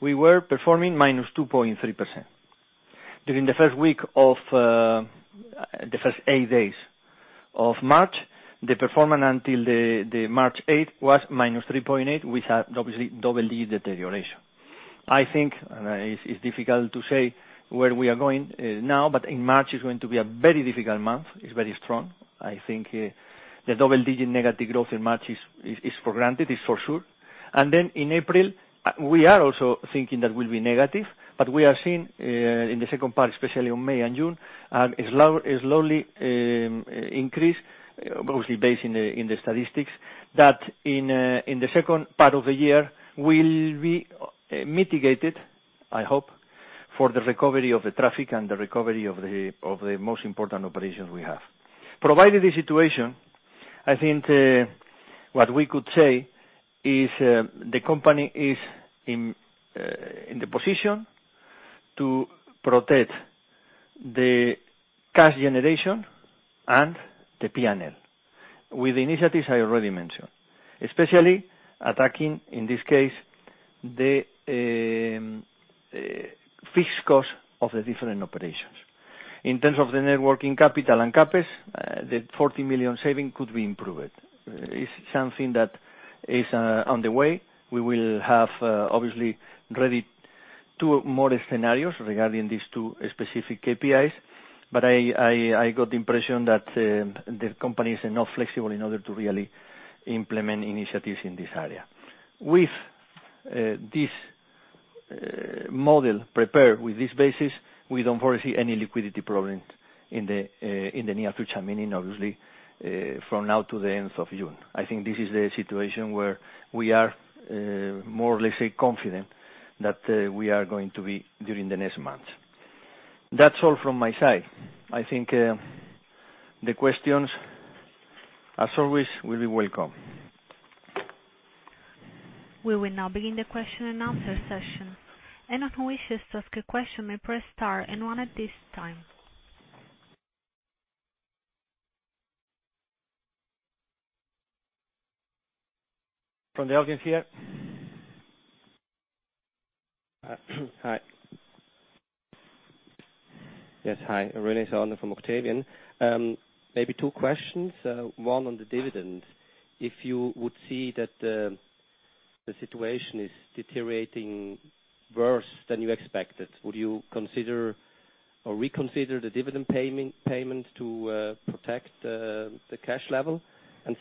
we were performing -2.3%. During the first eight days of March, the performance until March eighth was -3.8%, with obviously double-digit deterioration. I think it's difficult to say where we are going now, but in March, it's going to be a very difficult month. It's very strong. I think the double-digit negative growth in March is for granted. It's for sure. Then in April, we are also thinking that we'll be negative, but we are seeing in the second part, especially on May and June, a slowly increase, mostly based in the statistics that in the second part of the year will be mitigated, I hope, for the recovery of the traffic and the recovery of the most important operations we have. Provided the situation, I think what we could say is the company is in the position to protect the cash generation and the P&L with the initiatives I already mentioned, especially attacking, in this case, the fixed cost of the different operations. In terms of the net working capital and CapEx, the 40 million saving could be improved. It's something that is on the way. We will have, obviously, ready two more scenarios regarding these two specific KPIs, but I got the impression that the company is enough flexible in order to really implement initiatives in this area. With this model prepared with this basis, we don't foresee any liquidity problem in the near future, meaning obviously, from now to the end of June. I think this is the situation where we are more or less confident that we are going to be during the next month. That's all from my side. I think the questions, as always, will be welcome. We will now begin the question and answer session. Anyone who wishes to ask a question may press star and one at this time. From the audience here. Hi. Yes, hi. Rene Saner from Octavian. Maybe two questions. One on the dividend. If you would see that the situation is deteriorating worse than you expected, would you consider or reconsider the dividend payment to protect the cash level?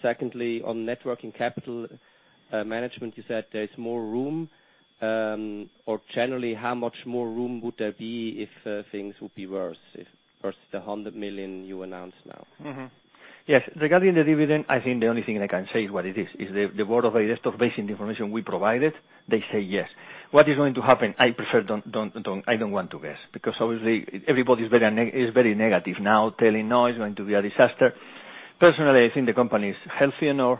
Secondly, on net working capital management, you said there is more room. Generally, how much more room would there be if things would be worse versus the 100 million you announced now? Yes. Regarding the dividend, I think the only thing I can say is what it is the board of directors, based on the information we provided, they say yes. What is going to happen? I don't want to guess, because obviously everybody's very negative now, telling now it's going to be a disaster. Personally, I think the company is healthy enough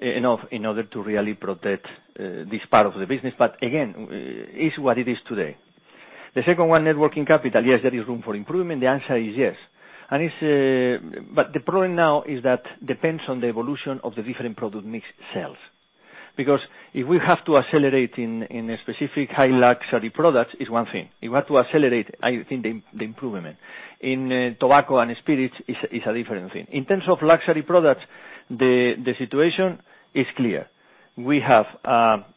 in order to really protect this part of the business. Again, it's what it is today. The second one, net working capital. Yes, there is room for improvement. The answer is yes. The problem now is that depends on the evolution of the different product mix sales. If we have to accelerate in a specific high luxury products, it's one thing. If we have to accelerate, I think the improvement in tobacco and spirits is a different thing. In terms of luxury products, the situation is clear. We have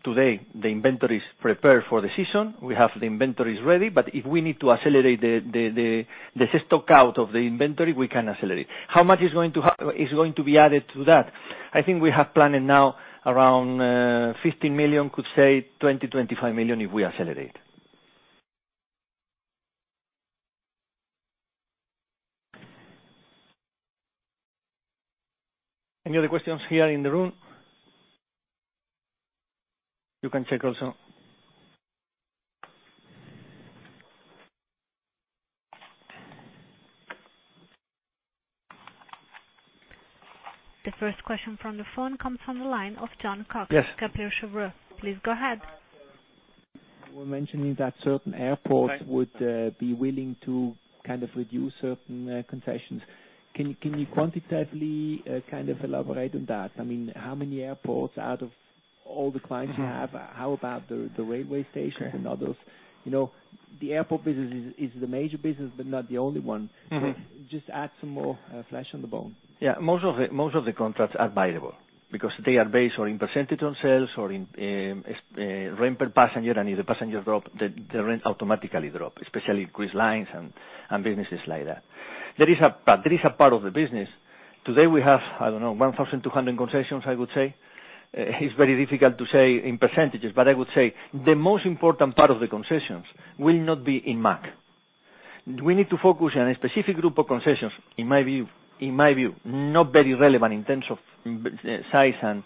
today the inventories prepared for the season. We have the inventories ready, but if we need to accelerate the stock out of the inventory, we can accelerate. How much is going to be added to that? I think we have planned now around 15 million, could say 20 million, 25 million if we accelerate. Any other questions here in the room? You can check also. The first question from the phone comes from the line of Jon Cox. Yes. Kepler Cheuvreux. Please go ahead. You were mentioning that certain airports would be willing to kind of reduce certain concessions. Can you quantitatively kind of elaborate on that? I mean, how many airports out of all the clients you have? How about the railway stations and others? The airport business is the major business, but not the only one. Just add some more flesh on the bone. Yeah. Most of the contracts are variable because they are based on a percentage on sales or in rent per passenger. If the passengers drop, the rent automatically drop, especially cruise lines and businesses like that. There is a part of the business, today we have, I don't know, 1,200 concessions I would say. It's very difficult to say in percentages, I would say the most important part of the concessions will not be in March. We need to focus on a specific group of concessions, in my view, not very relevant in terms of size and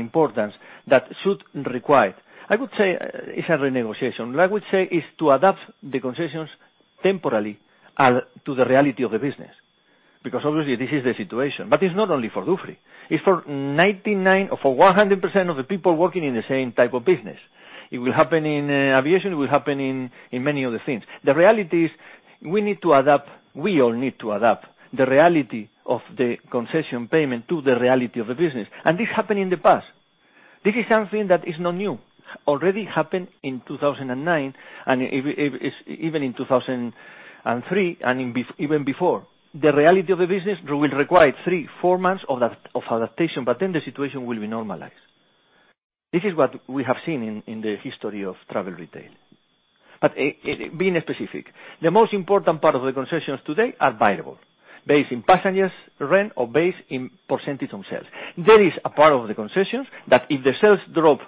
importance that should require. I would say it's a renegotiation. I would say it's to adapt the concessions temporarily to the reality of the business. Because obviously this is the situation, but it's not only for Dufry, it's for 99 or for 100% of the people working in the same type of business. It will happen in aviation, it will happen in many other things. The reality is we all need to adapt the reality of the concession payment to the reality of the business. This happened in the past. This is something that is not new. Already happened in 2009 and even in 2003 and even before. The reality of the business will require three, four months of adaptation. The situation will be normalized. This is what we have seen in the history of travel retail. Being specific, the most important part of the concessions today are variable, based on passengers, rent, or based on percentage on sales. There is a part of the concessions that if the sales drop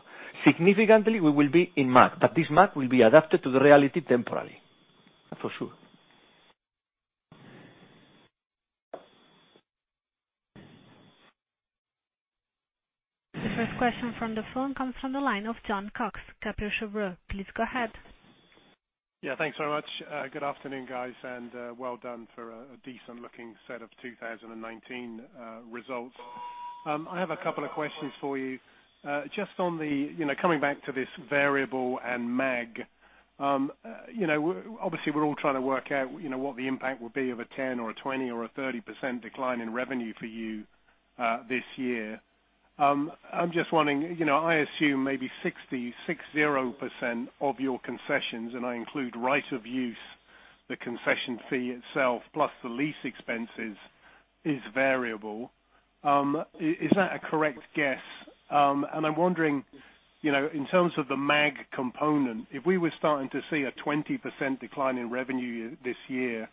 significantly, we will be in MAG, but this MAG will be adapted to the reality temporarily, for sure. The first question from the phone comes from the line of Jon Cox, Kepler Cheuvreux. Please go ahead. Yeah, thanks very much. Good afternoon, guys, and well done for a decent-looking set of 2019 results. I have a couple of questions for you. Just on the coming back to this variable and MAG. Obviously, we're all trying to work out what the impact will be of a 10% or a 20% or a 30% decline in revenue for you this year. I'm just wondering, I assume maybe 60% of your concessions, and I include right of use, the concession fee itself, plus the lease expenses, is variable. Is that a correct guess? I'm wondering, in terms of the MAG component, if we were starting to see a 20% decline in revenue this year,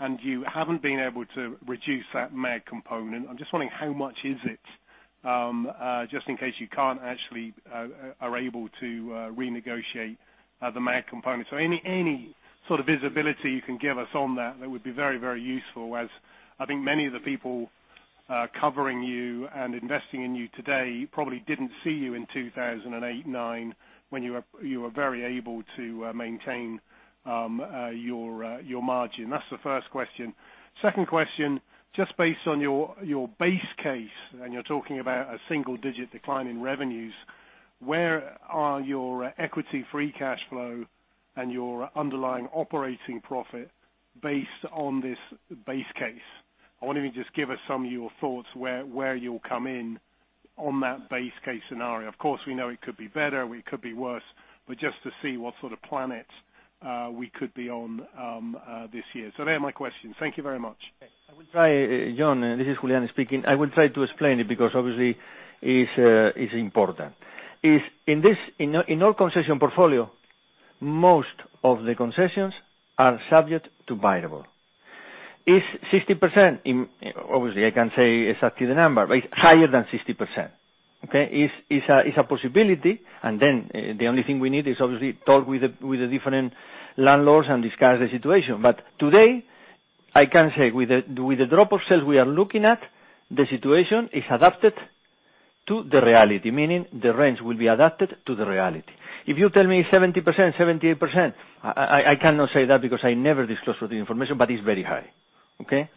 and you haven't been able to reduce that MAG component, I'm just wondering how much is it, just in case you can't actually are able to renegotiate the MAG component. Any sort of visibility you can give us on that would be very, very useful as I think many of the people covering you and investing in you today probably didn't see you in 2008, 2009 when you were very able to maintain your margin. That's the first question. Second question, just based on your base case, and you're talking about a single-digit decline in revenues, where are your equity free cash flow and your underlying operating profit based on this base case? I wonder if you can just give us some of your thoughts where you'll come in on that base case scenario. Of course, we know it could be better, or it could be worse, but just to see what sort of planet we could be on this year. There are my questions. Thank you very much. I will try, Jon, this is Julián speaking. I will try to explain it because obviously it's important. In our concession portfolio, most of the concessions are subject to variable. It's 60%, obviously, I can't say exactly the number, but it's higher than 60%. Okay. It's a possibility, and then the only thing we need is obviously talk with the different landlords and discuss the situation. Today, I can say with the drop of sales we are looking at, the situation is adapted to the reality, meaning the rents will be adapted to the reality. If you tell me 70%, 78%, I cannot say that because I never disclose with the information, but it's very high. Okay.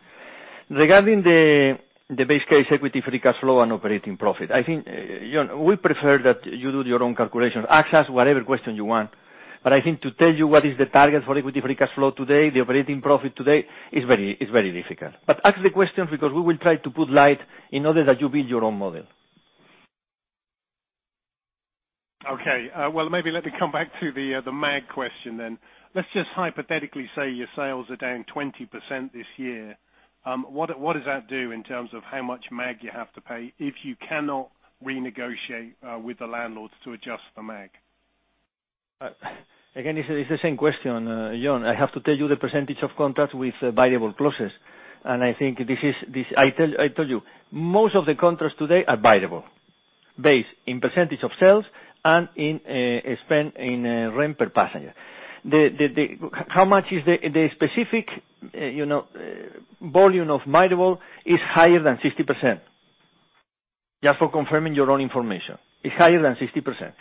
Regarding the base case equity free cash flow and operating profit, I think we prefer that you do your own calculation. Ask us whatever question you want, I think to tell you what is the target for equity free cash flow today, the operating profit today is very difficult. Ask the questions because we will try to put light in order that you build your own model. Okay. Well, maybe let me come back to the MAG question then. Let's just hypothetically say your sales are down 20% this year. What does that do in terms of how much MAG you have to pay if you cannot renegotiate with the landlords to adjust the MAG? Again, it's the same question, Jon. I have to tell you the percentage of contracts with variable clauses. I told you, most of the contracts today are variable based on percentage of sales and spend in rent per passenger. How much is the specific volume of variable is higher than 60%. Just for confirming your own information. It's higher than 60%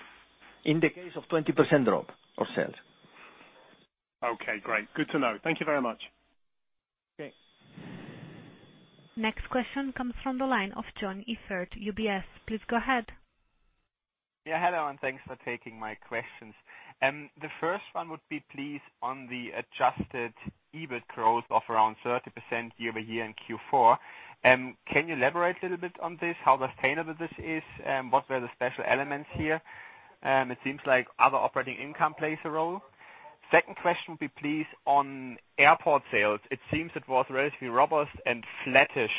in the case of 20% drop of sales. Okay, great. Good to know. Thank you very much. Okay. Next question comes from the line of Joern Iffert, UBS. Please go ahead. Yeah, hello, and thanks for taking my questions. The first one would be please on the adjusted EBIT growth of around 30% year-over-year in Q4. Can you elaborate a little bit on this, how sustainable this is, and what were the special elements here? It seems like other operating income plays a role. Second question would be please on airport sales. It seems it was relatively robust and flattish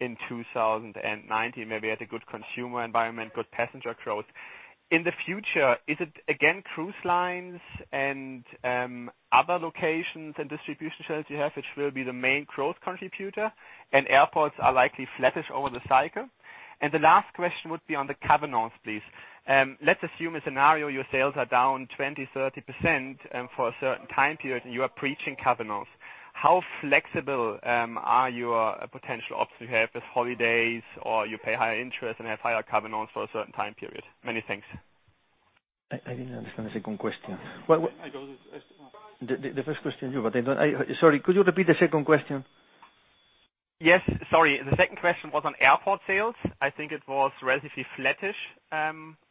in 2019, maybe had a good consumer environment, good passenger growth. In the future, is it again cruise lines and other locations and distribution shares you have, which will be the main growth contributor and airports are likely flattish over the cycle? The last question would be on the covenants, please. Let's assume a scenario your sales are down 20%-30% for a certain time period and you are breaching covenants. How flexible are your potential options you have with covenant holidays or you pay higher interest and have higher covenants for a certain time period? Many thanks. I didn't understand the second question. I got it. The first question, but sorry, could you repeat the second question? Yes. Sorry. The second question was on airport sales. I think it was relatively flattish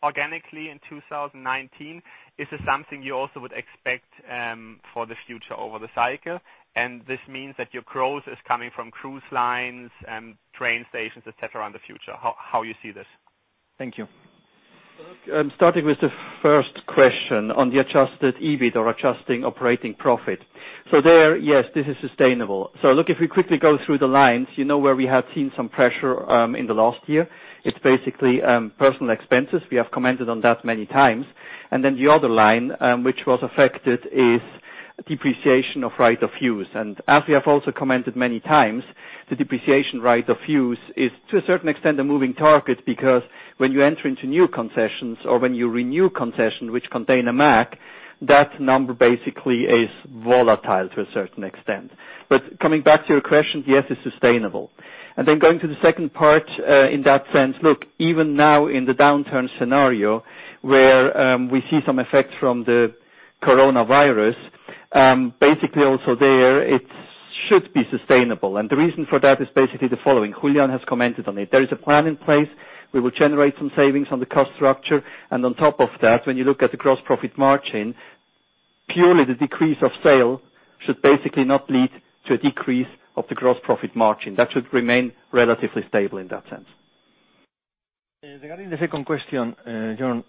organically in 2019. Is this something you also would expect for the future over the cycle? This means that your growth is coming from cruise lines and train stations, et cetera, in the future. How you see this? Thank you. Look, starting with the first question on the adjusted EBIT or adjusted operating profit. There, yes, this is sustainable. Look, if we quickly go through the lines, you know where we have seen some pressure in the last year, it's basically personal expenses. We have commented on that many times. The other line which was affected is depreciation of right of use. As we have also commented many times, the depreciation right of use is to a certain extent, a moving target. When you enter into new concessions or when you renew concession, which contain a MAG, that number basically is volatile to a certain extent. Coming back to your question, yes, it's sustainable. Then going to the second part, in that sense, look, even now in the downturn scenario where we see some effect from the coronavirus, basically also there, it should be sustainable. The reason for that is basically the following. Julián has commented on it. There is a plan in place. We will generate some savings on the cost structure. On top of that, when you look at the gross profit margin, purely the decrease of sale should basically not lead to a decrease of the gross profit margin. That should remain relatively stable in that sense. Regarding the second question, Jon,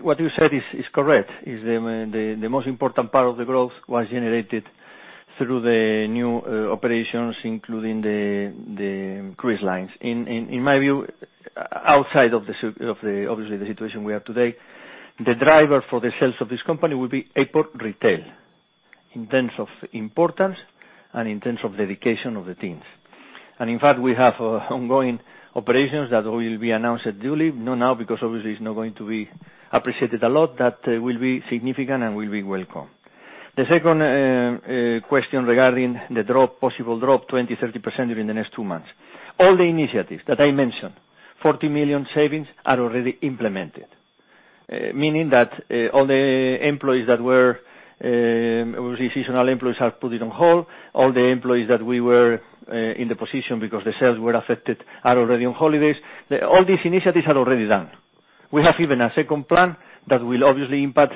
what you said is correct. The most important part of the growth was generated through the new operations, including the cruise lines. In my view, outside of obviously the situation we are today, the driver for the sales of this company will be airport retail, in terms of importance and in terms of dedication of the teams. In fact, we have ongoing operations that will be announced duly, not now, because obviously it's not going to be appreciated a lot, that will be significant and will be welcome. The second question regarding the possible drop 20%-30% during the next two months. All the initiatives that I mentioned, 40 million savings, are already implemented. Meaning that all the employees that were seasonal employees are put it on hold. All the employees that we were in the position because the sales were affected are already on holidays. All these initiatives are already done. We have even a second plan that will obviously impact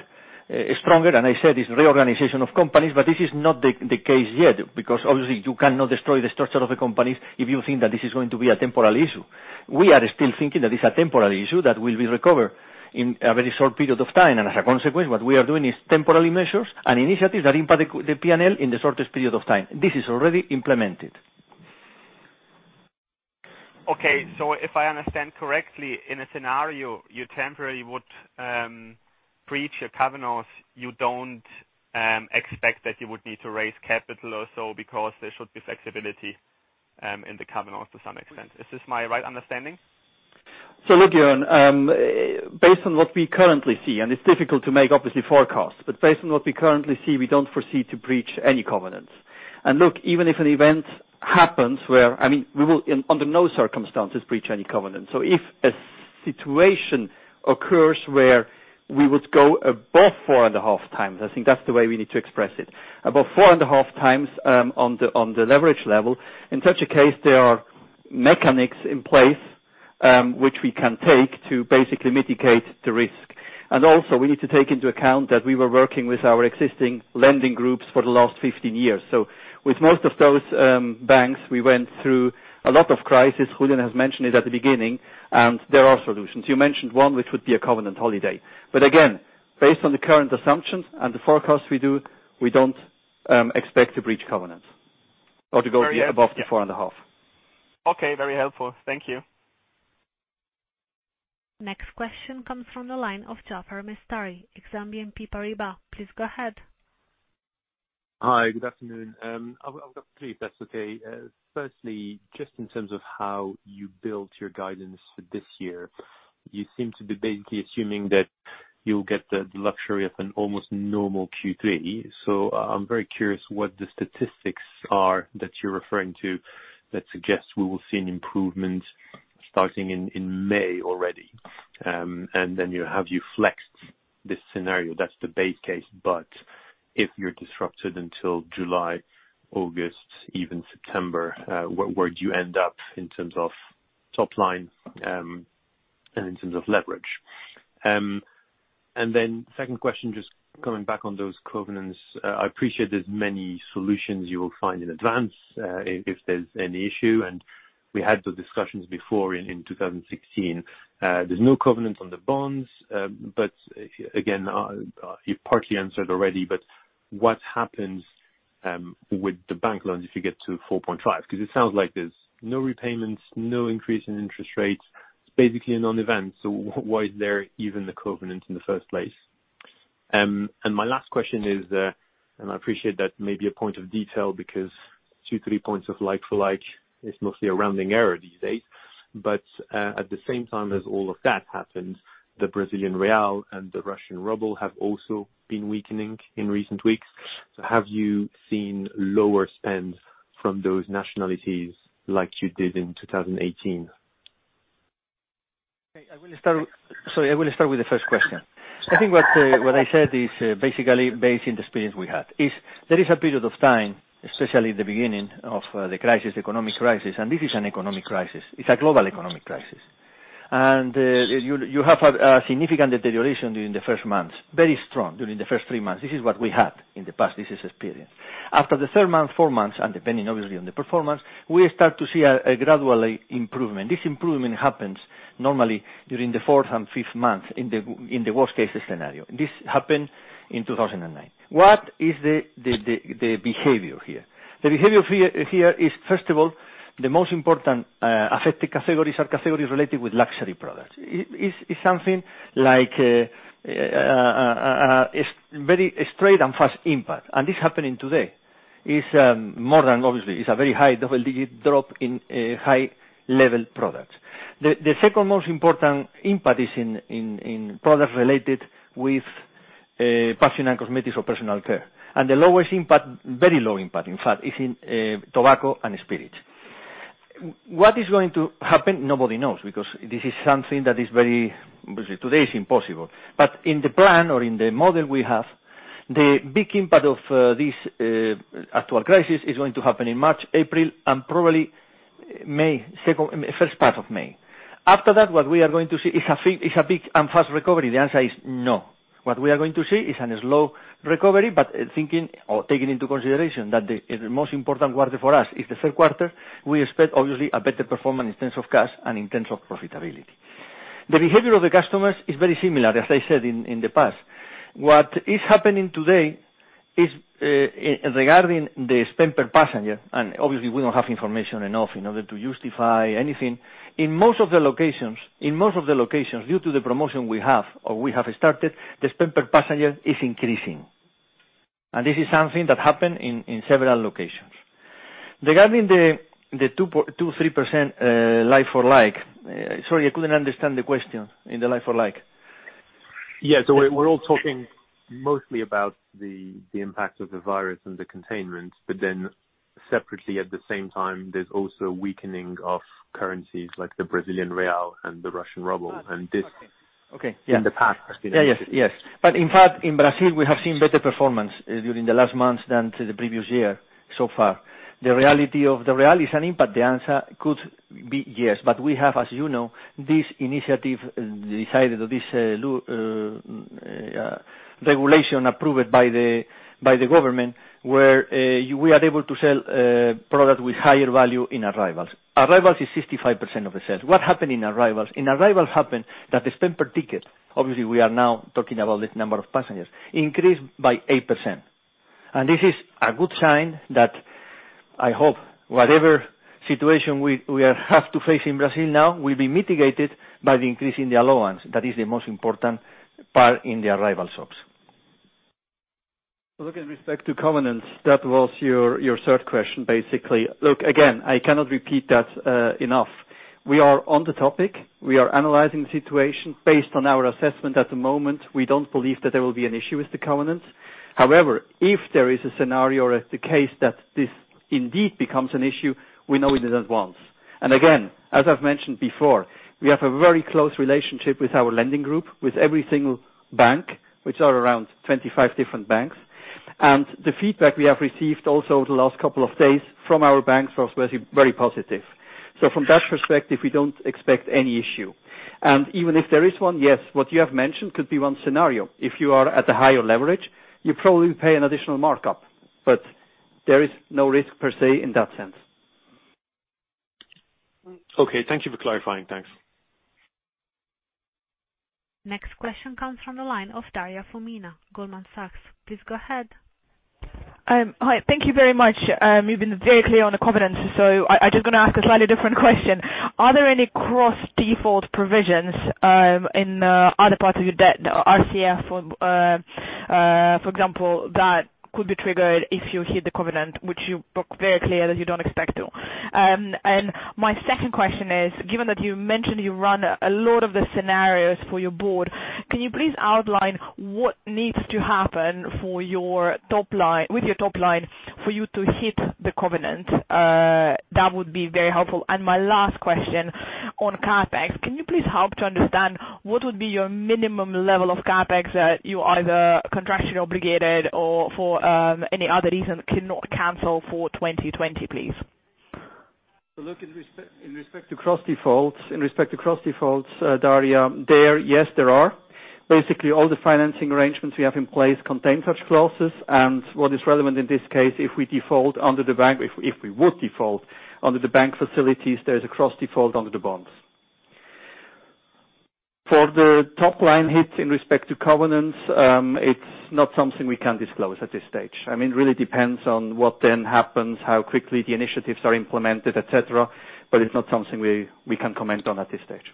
stronger, and I said it's reorganization of companies, but this is not the case yet, because obviously you cannot destroy the structure of a company if you think that this is going to be a temporary issue. We are still thinking that it's a temporary issue that will be recovered in a very short period of time. As a consequence, what we are doing is temporary measures and initiatives that impact the P&L in the shortest period of time. This is already implemented. Okay. If I understand correctly, in a scenario you temporarily would breach your covenants, you don't expect that you would need to raise capital or so because there should be flexibility in the covenants to some extent. Is this my right understanding? Look, Jon, based on what we currently see, and it's difficult to make, obviously, forecasts, but based on what we currently see, we don't foresee to breach any covenants. Look, even if an event happens where we will under no circumstances breach any covenant. If a situation occurs where we would go above 4.5 times, I think that's the way we need to express it. Above 4.5 times on the leverage level. In such a case, there are mechanics in place, which we can take to basically mitigate the risk. Also, we need to take into account that we were working with our existing lending groups for the last 15 years. With most of those banks, we went through a lot of crisis. Julián has mentioned it at the beginning. There are solutions. You mentioned one, which would be a covenant holiday. Again, based on the current assumptions and the forecasts we do, we don't expect to breach covenants or to go above the four and a half. Okay. Very helpful. Thank you. Next question comes from the line of Jaafar Mestari, Exane BNP Paribas. Please go ahead. Hi. Good afternoon. I've got three, if that's okay. Firstly, just in terms of how you built your guidance for this year, you seem to be basically assuming that you'll get the luxury of an almost normal Q3. I'm very curious what the statistics are that you're referring to that suggests we will see an improvement starting in May already. Have you flexed this scenario? That's the base case. If you're disrupted until July, August, even September, where do you end up in terms of top line and in terms of leverage? Second question, just coming back on those covenants. I appreciate there's many solutions you will find in advance if there's any issue, and we had those discussions before in 2016. There's no covenant on the bonds. Again, you partly answered already, but what happens with the bank loans if you get to 4.5? It sounds like there's no repayments, no increase in interest rates. It's basically a non-event. Why is there even the covenant in the first place? My last question is, and I appreciate that may be a point of detail because 2, 3 points of like-for-like, it's mostly a rounding error these days. At the same time as all of that happens, the Brazilian real and the Russian ruble have also been weakening in recent weeks. Have you seen lower spends from those nationalities like you did in 2018? Okay. Sorry, I will start with the first question. I think what I said is basically based on the experience we had. There is a period of time, especially the beginning of the economic crisis, this is an economic crisis. It's a global economic crisis. You have a significant deterioration during the first months, very strong during the first three months. This is what we had in the past. This is experience. After the third month, four months, depending obviously on the performance, we start to see a gradual improvement. This improvement happens normally during the fourth and fifth month in the worst-case scenario. This happened in 2009. What is the behavior here? The behavior here is, first of all, the most important affected categories are categories related with luxury products. It's something like a very straight and fast impact, it's happening today. Obviously, it's a very high double-digit drop in high-level products. The second most important impact is in products related with personal cosmetics or personal care. The lowest impact, very low impact, in fact, is in tobacco and spirits. What is going to happen, nobody knows, because this is something that is obviously, today it's impossible. In the plan or in the model we have, the big impact of this actual crisis is going to happen in March, April, and probably first part of May. After that, what we are going to see is a big and fast recovery. The answer is no. What we are going to see is a slow recovery, but taking into consideration that the most important quarter for us is the third quarter, we expect, obviously, a better performance in terms of cash and in terms of profitability. The behavior of the customers is very similar, as I said in the past. What is happening today regarding the spend per passenger, obviously we don't have information enough in order to justify anything, in most of the locations, due to the promotion we have or we have started, the spend per passenger is increasing. This is something that happened in several locations. Regarding the 2% or 3% like-for-like, sorry, I couldn't understand the question in the like-for-like. Yeah. We're all talking mostly about the impact of the virus and the containment, separately, at the same time, there's also a weakening of currencies like the Brazilian real and the Russian ruble. Okay. Yeah. This in the past has been. Yes. In fact, in Brazil, we have seen better performance during the last month than the previous year so far. The reality of the real is an impact. The answer could be yes. We have, as you know, this initiative decided or this regulation approved by the government where we are able to sell products with higher value in arrivals. Arrivals is 65% of the sales. What happened in arrivals? In arrival happened that the spend per ticket, obviously we are now talking about the number of passengers, increased by 8%. This is a good sign that I hope whatever situation we have to face in Brazil now will be mitigated by the increase in the allowance. That is the most important part in the arrival shops. In respect to covenants, that was your third question. Again, I cannot repeat that enough. We are on the topic. We are analyzing the situation. Based on our assessment at the moment, we don't believe that there will be an issue with the covenants. If there is a scenario or if the case that this indeed becomes an issue, we know it in advance. As I've mentioned before, we have a very close relationship with our lending group, with every single bank, which are around 25 different banks. The feedback we have received also the last couple of days from our banks was very positive. From that perspective, we don't expect any issue. Even if there is one, what you have mentioned could be one scenario. If you are at a higher leverage, you probably pay an additional markup, but there is no risk per se in that sense. Okay. Thank you for clarifying. Thanks. Next question comes from the line of Daria Fomina, Goldman Sachs. Please go ahead. Hi. Thank you very much. You've been very clear on the covenants. I'm just going to ask a slightly different question. Are there any cross-default provisions in other parts of your debt, RCF, for example, that could be triggered if you hit the covenant, which you were very clear that you don't expect to? My second question is, given that you mentioned you run a lot of the scenarios for your board, can you please outline what needs to happen with your top line for you to hit the covenant? That would be very helpful. My last question on CapEx, can you please help to understand what would be your minimum level of CapEx that you either contractually obligated or for any other reason cannot cancel for 2020, please? In respect to cross-defaults, Daria, yes, there are. Basically, all the financing arrangements we have in place contain such clauses. What is relevant in this case, if we would default under the bank facilities, there is a cross-default under the bonds. For the top-line hit in respect to covenants, it's not something we can disclose at this stage. It really depends on what then happens, how quickly the initiatives are implemented, et cetera, it's not something we can comment on at this stage.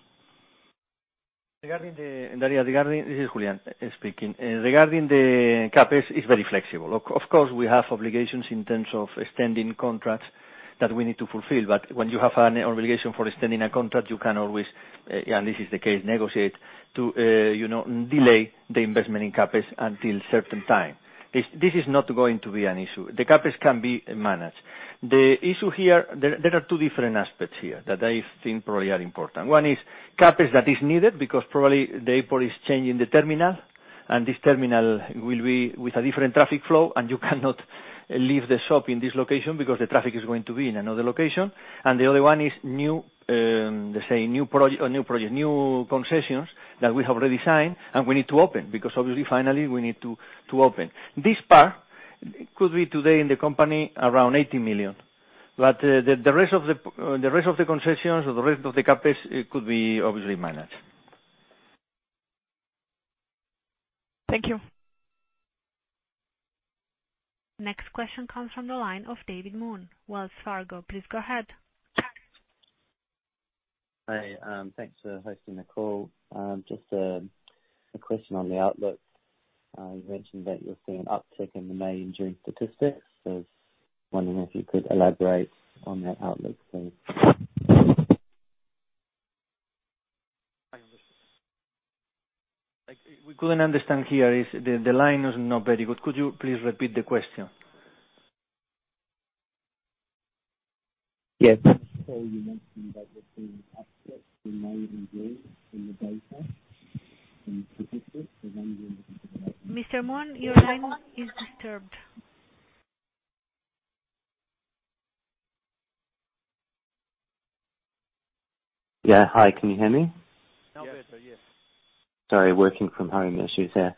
Daria, this is Julián speaking. Regarding the CapEx, it's very flexible. Of course, we have obligations in terms of extending contracts that we need to fulfill, but when you have an obligation for extending a contract, you can always, and this is the case, negotiate to delay the investment in CapEx until certain time. This is not going to be an issue. The CapEx can be managed. The issue here, there are two different aspects here that I think probably are important. One is CapEx that is needed because probably the airport is changing the terminal, and this terminal will be with a different traffic flow, and you cannot leave the shop in this location because the traffic is going to be in another location. The other one is, let's say, new concessions that we have already signed, and we need to open, because obviously finally we need to open. This part could be today in the company around 80 million. The rest of the concessions or the rest of the CapEx could be obviously managed. Thank you. Next question comes from the line of David Moon, Wells Fargo. Please go ahead. Hi. Thanks for hosting the call. Just a question on the outlook. You mentioned that you're seeing an uptick in the May and June statistics. I was wondering if you could elaborate on that outlook, please. We couldn't understand here. The line was not very good. Could you please repeat the question? Yes. Mr. Moon, your line is disturbed. Yeah. Hi, can you hear me? Now better, yes. Sorry, working from home issues here.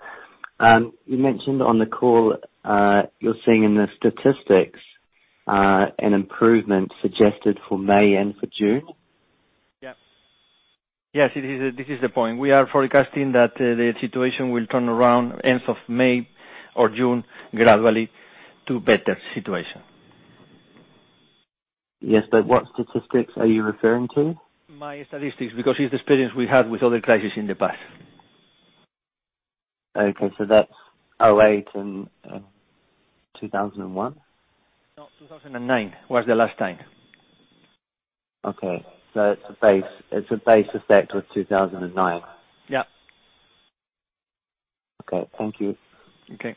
You mentioned on the call, you're seeing in the statistics, an improvement suggested for May and for June? Yeah. Yes, this is the point. We are forecasting that the situation will turn around end of May or June gradually to better situation. Yes, what statistics are you referring to? My statistics, because it's the experience we had with other crises in the past. Okay. That's 2008 and 2001? No, 2009 was the last time. Okay. It's a base effect of 2009. Yeah. Okay. Thank you. Okay.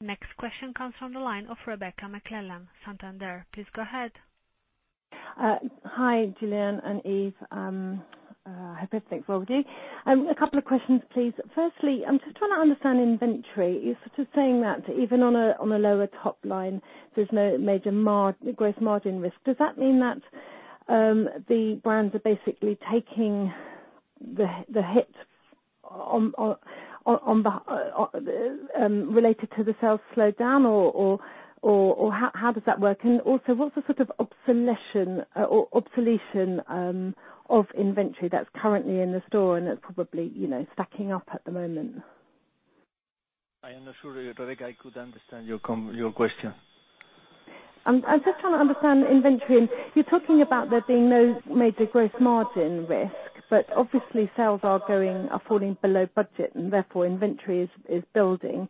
Next question comes from the line of Rebecca McClellan, Santander. Please go ahead. Hi, Julián and Yves. Hope everything's well with you. A couple of questions, please. Firstly, I'm just trying to understand inventory. You're sort of saying that even on a lower top line, there's no major gross margin risk. Does that mean that the brands are basically taking the hit related to the sales slowdown, or how does that work? What's the sort of obsoletion of inventory that's currently in the store and that's probably stacking up at the moment? I am not sure, Rebecca, I could understand your question. I'm just trying to understand inventory. You're talking about there being no major gross margin risk, obviously sales are falling below budget and therefore inventory is building.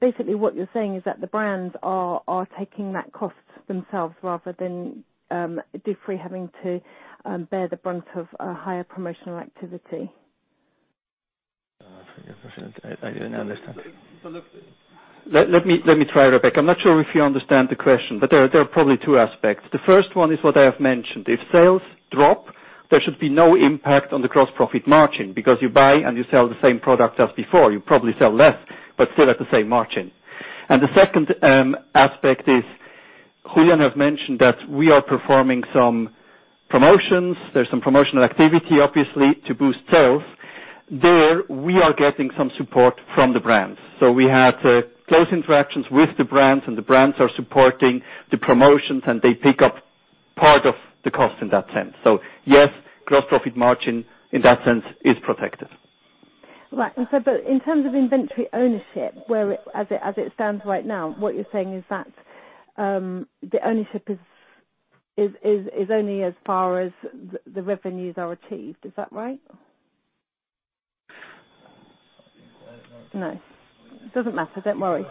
Basically what you're saying is that the brands are taking that cost themselves rather than Dufry having to bear the brunt of a higher promotional activity. I didn't understand. Let me try, Rebecca. I'm not sure if you understand the question, but there are probably two aspects. The first one is what I have mentioned. If sales drop, there should be no impact on the gross profit margin because you buy and you sell the same product as before. You probably sell less, but still at the same margin. The second aspect is Julián has mentioned that we are performing some promotions. There's some promotional activity, obviously, to boost sales. There, we are getting some support from the brands. We have close interactions with the brands, and the brands are supporting the promotions, and they pick up part of the cost in that sense. Yes, gross profit margin, in that sense, is protected. Right. In terms of inventory ownership, as it stands right now, what you're saying is that the ownership is only as far as the revenues are achieved. Is that right? I think so. No. Doesn't matter. Don't worry.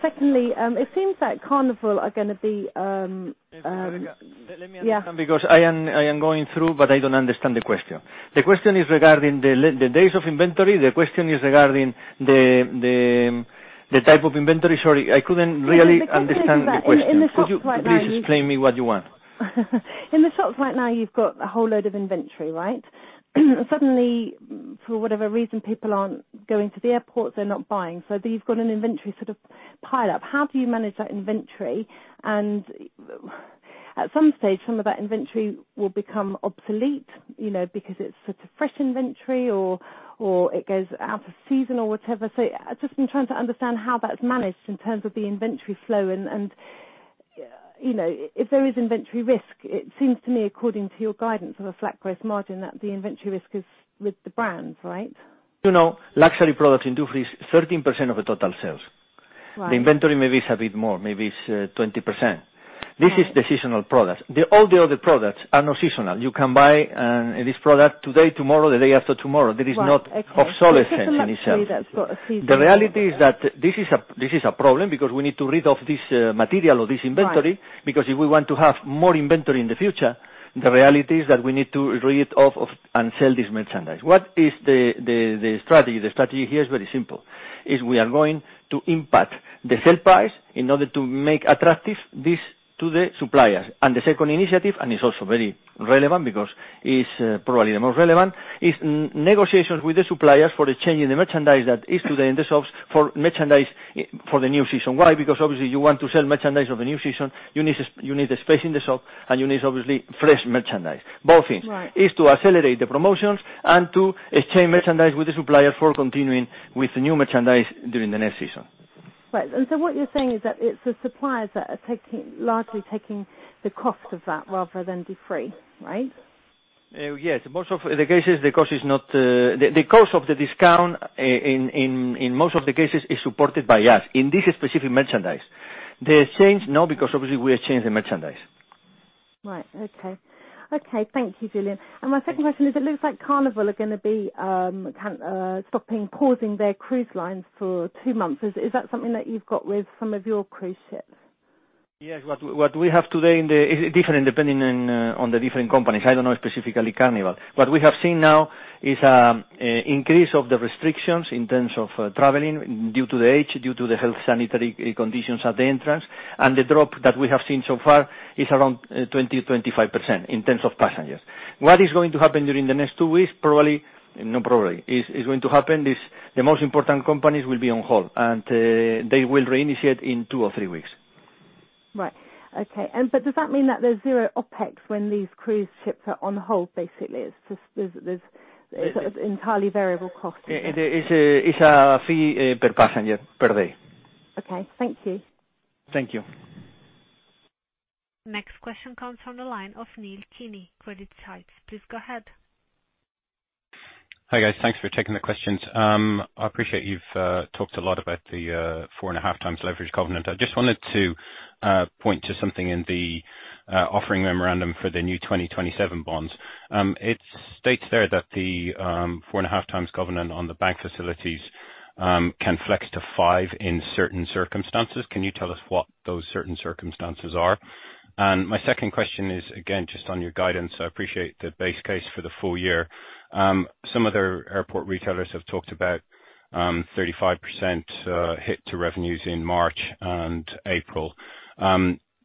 Secondly, it seems that Carnival. Let me understand. Yeah. Because I am going through, but I don't understand the question. The question is regarding the days of inventory? The question is regarding the type of inventory? Sorry, I couldn't really understand the question. No. The question is that in the shops right now. Could you please explain me what you want? In the shops right now, you've got a whole load of inventory, right? Suddenly, for whatever reason, people aren't going to the airports, they're not buying. You've got an inventory sort of pile up. How do you manage that inventory? At some stage, some of that inventory will become obsolete, because it's fresh inventory or it goes out of season or whatever. I've just been trying to understand how that's managed in terms of the inventory flow and if there is inventory risk. It seems to me, according to your guidance of a flat gross profit margin, that the inventory risk is with the brands, right? You know, luxury products in Dufry is 13% of the total sales. Right. The inventory maybe is a bit more, maybe it's 20%. This is seasonal products. All the other products are not seasonal. You can buy this product today, tomorrow, the day after tomorrow. Right. Excellent. There is not obsolescence in itself. Let's take some luxury that's got a season. The reality is that this is a problem because we need to rid of this material or this inventory. Right. If we want to have more inventory in the future, the reality is that we need to rid of and sell this merchandise. What is the strategy? The strategy here is very simple. We are going to impact the sale price in order to make attractive this to the suppliers. The second initiative, and it's also very relevant because it's probably the most relevant, is negotiations with the suppliers for exchanging the merchandise that is today in the shops for merchandise for the new season. Why? Obviously you want to sell merchandise of the new season, you need the space in the shop, and you need, obviously, fresh merchandise. Both things. Right. Is to accelerate the promotions and to exchange merchandise with the supplier for continuing with the new merchandise during the next season. Right. What you're saying is that it's the suppliers that are largely taking the cost of that rather than Dufry, right? Yes. Most of the cases, the cost of the discount, in most of the cases, is supported by us. In this specific merchandise. The exchange, no, because obviously we exchange the merchandise. Right. Okay. Thank you, Julián. My second question is, it looks like Carnival are going to be pausing their cruise lines for two months. Is that something that you've got with some of your cruise ships? Yes. What we have today, it is different depending on the different companies. I don't know specifically Carnival. What we have seen now is increase of the restrictions in terms of traveling due to the age, due to the health sanitary conditions at the entrance. The drop that we have seen so far is around 20% to 25% in terms of passengers. What is going to happen during the next two weeks, probably, is going to happen is the most important companies will be on hold, and they will reinitiate in two or three weeks. Right. Okay. Does that mean that there's zero OpEx when these cruise ships are on hold, basically? It's entirely variable cost. It's a fee per passenger per day. Okay. Thank you. Thank you. Next question comes from the line of Neil Glynn, Credit Suisse. Please go ahead. Hi, guys. Thanks for taking the questions. I appreciate you've talked a lot about the four and a half times leverage covenant. I just wanted to point to something in the offering memorandum for the new 2027 bonds. It states there that the four and a half times covenant on the bank facilities can flex to 5 in certain circumstances. Can you tell us what those certain circumstances are? My second question is, again, just on your guidance. I appreciate the base case for the full year. Some other airport retailers have talked about 35% hit to revenues in March and April.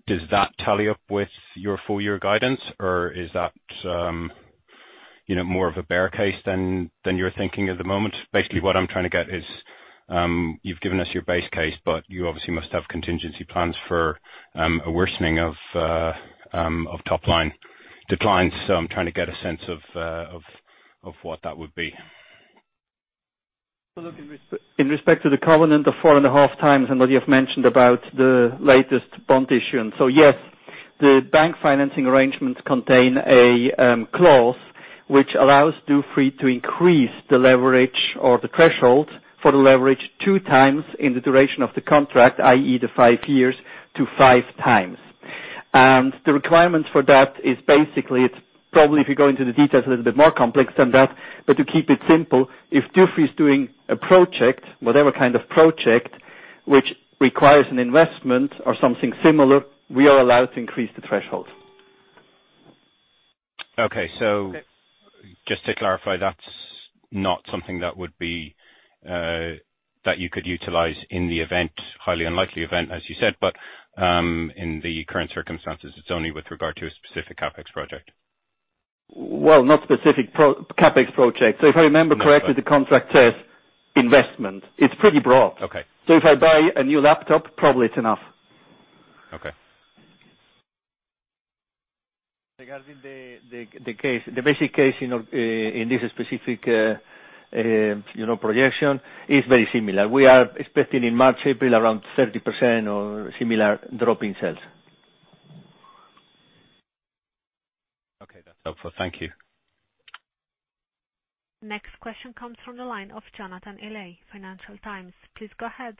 Does that tally up with your full-year guidance? Is that more of a bear case than you're thinking at the moment? Basically, what I'm trying to get is, you've given us your base case, but you obviously must have contingency plans for a worsening of top line declines. I'm trying to get a sense of what that would be? In respect to the covenant of four and a half times and what you have mentioned about the latest bond issue. Yes, the bank financing arrangements contain a clause which allows Dufry to increase the leverage or the threshold for the leverage two times in the duration of the contract, i.e., the five years to five times. The requirement for that is basically, probably if you go into the details, a little bit more complex than that. To keep it simple, if Dufry is doing a project, whatever kind of project, which requires an investment or something similar, we are allowed to increase the threshold. Okay. Just to clarify, that's not something that you could utilize in the event, highly unlikely event, as you said. In the current circumstances, it's only with regard to a specific CapEx project. Not specific CapEx project. If I remember correctly, the contract says investment. It's pretty broad. Okay. If I buy a new laptop, probably it's enough. Okay. Regarding the basic case in this specific projection is very similar. We are expecting in March, April, around 30% or similar drop in sales. Okay. That's helpful. Thank you. Next question comes from the line of Jonathan Eley, Financial Times. Please go ahead.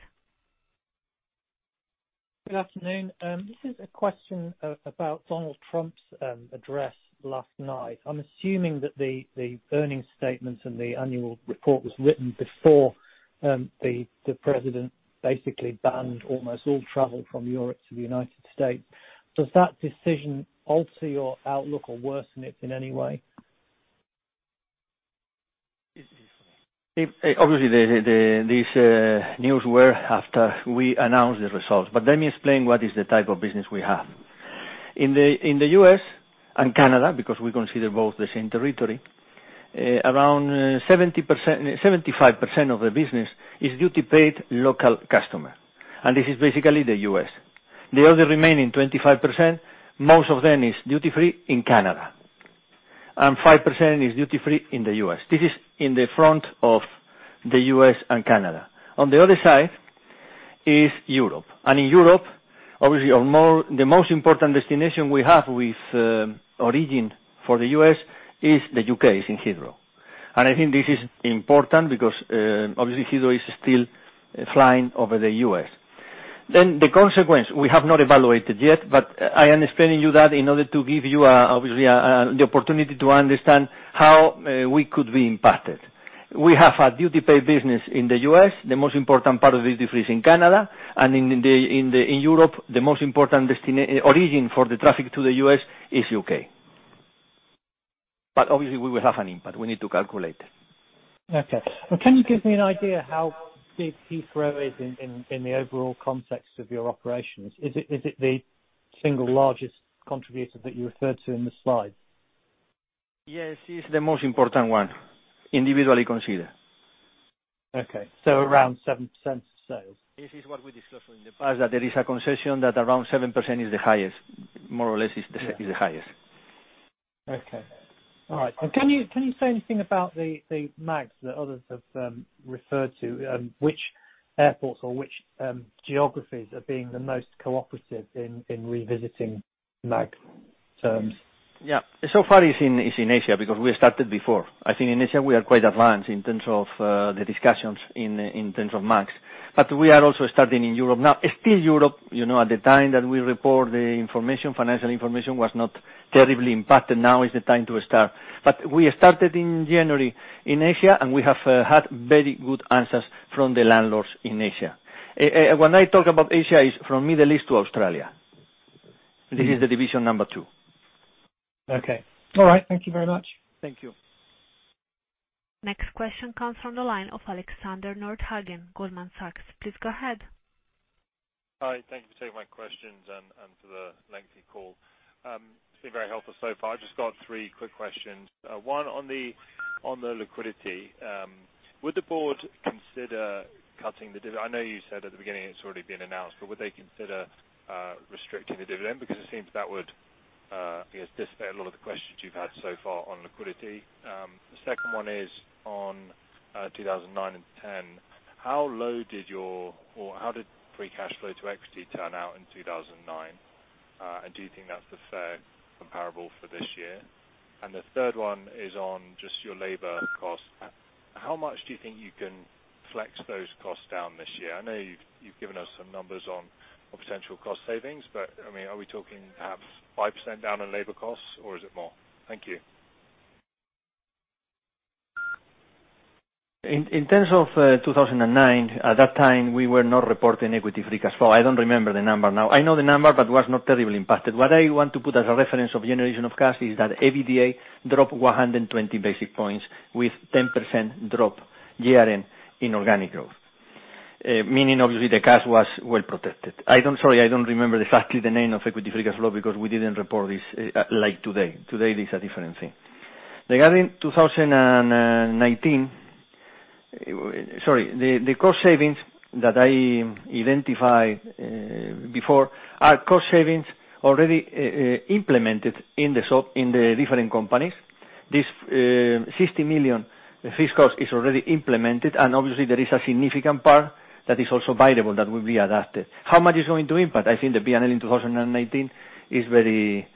Good afternoon. This is a question about Donald Trump's address last night. I'm assuming that the earnings statements and the annual report was written before the President basically banned almost all travel from Europe to the United States. Does that decision alter your outlook or worsen it in any way? Obviously, this news was after we announced the results. Let me explain what is the type of business we have. In the U.S. and Canada, because we consider both the same territory, around 75% of the business is duty-paid local customer, and this is basically the U.S. The other remaining 25%, most of them is duty-free in Canada, and 5% is duty-free in the U.S. This is in the front of the U.S. and Canada. On the other side is Europe. In Europe, obviously, the most important destination we have with origin for the U.S. is the U.K., is in Heathrow. I think this is important because, obviously, Heathrow is still flying over the U.S. The consequence, we have not evaluated yet, but I am explaining you that in order to give you, obviously, the opportunity to understand how we could be impacted. We have a duty-paid business in the U.S., the most important part of it duty-free is in Canada, and in Europe, the most important origin for the traffic to the U.S. is U.K. Obviously, we will have an impact. We need to calculate. Okay. Can you give me an idea how big Heathrow is in the overall context of your operations? Is it the single largest contributor that you referred to in the slides? Yes, it's the most important one, individually considered. Okay. Around 7% or so. This is what we discussed in the past, that there is a concession that around 7% is the highest. More or less is the highest. Okay. All right. Can you say anything about the MAGs that others have referred to, which airports or which geographies are being the most cooperative in revisiting MAG terms? So far it's in Asia because we started before. I think in Asia, we are quite advanced in terms of the discussions in terms of MAGs. We are also starting in Europe now. Still Europe, at the time that we report the information, financial information was not terribly impacted. Now is the time to start. We started in January in Asia, and we have had very good answers from the landlords in Asia. When I talk about Asia, it's from Middle East to Australia. This is the division number 2. Okay. All right. Thank you very much. Thank you. Next question comes from the line of Alexander Nordhagen, Goldman Sachs. Please go ahead. Hi. Thank you for taking my questions and for the lengthy call. It's been very helpful so far. I just got three quick questions. One on the liquidity. Would the board consider cutting the dividend? I know you said at the beginning it's already been announced, would they consider restricting the dividend? It seems that would, I guess, dissipate a lot of the questions you've had so far on liquidity. The second one is on 2009 and 2010. How low did free cash flow to equity turn out in 2009? Do you think that's the fair comparable for this year? The third one is on just your labor cost. How much do you think you can flex those costs down this year? I know you've given us some numbers on potential cost savings. Are we talking perhaps 5% down on labor costs or is it more? Thank you. In terms of 2009, at that time, we were not reporting equity free cash flow. I don't remember the number now. I know the number, but was not terribly impacted. What I want to put as a reference of generation of cash is that EBITDA dropped 120 basis points with 10% drop year-end in organic growth. Obviously the cash was well protected. Sorry, I don't remember exactly the name of equity free cash flow because we didn't report this like today. Today it is a different thing. Regarding 2019, sorry, the cost savings that I identified before are cost savings already implemented in the different companies. This 60 million fixed cost is already implemented, and obviously there is a significant part that is also variable that will be adapted. How much is going to impact? I think the P&L in 2019 is very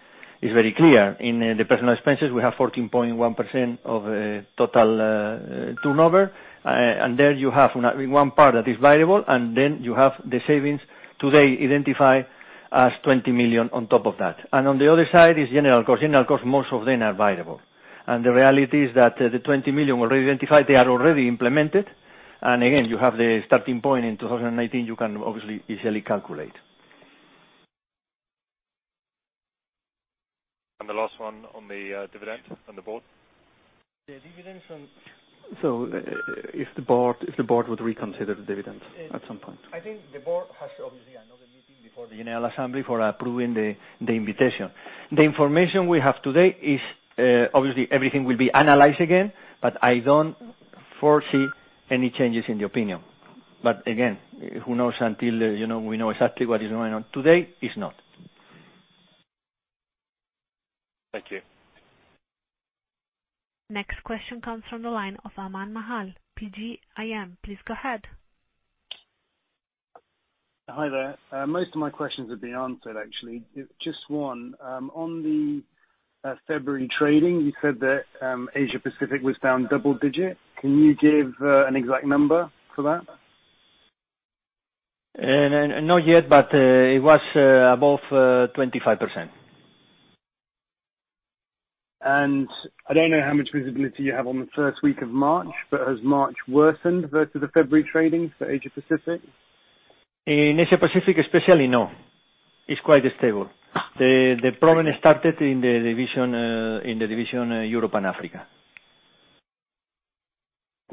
clear. In the personal expenses, we have 14.1% of total turnover. There you have one part that is variable, then you have the savings today identified as 20 million on top of that. On the other side is general cost. General cost, most of them are variable. The reality is that the 20 million already identified, they are already implemented. Again, you have the starting point in 2019, you can obviously easily calculate. The last one on the dividend on the board. The dividends on- If the board would reconsider the dividends at some point. I think the board has obviously another meeting before the annual assembly for approving the invitation. The information we have today is obviously everything will be analyzed again, but I don't foresee any changes in the opinion. Again, who knows until we know exactly what is going on. Today is not. Thank you. Next question comes from the line of Aman Mahal, PGIM. Please go ahead. Hi there. Most of my questions have been answered, actually. Just one. On the February trading, you said that Asia-Pacific was down double digit. Can you give an exact number for that? Not yet, but it was above 25%. I don't know how much visibility you have on the first week of March, but has March worsened versus the February trading for Asia-Pacific? In Asia-Pacific especially, no. It's quite stable. The problem started in the division Europe and Africa.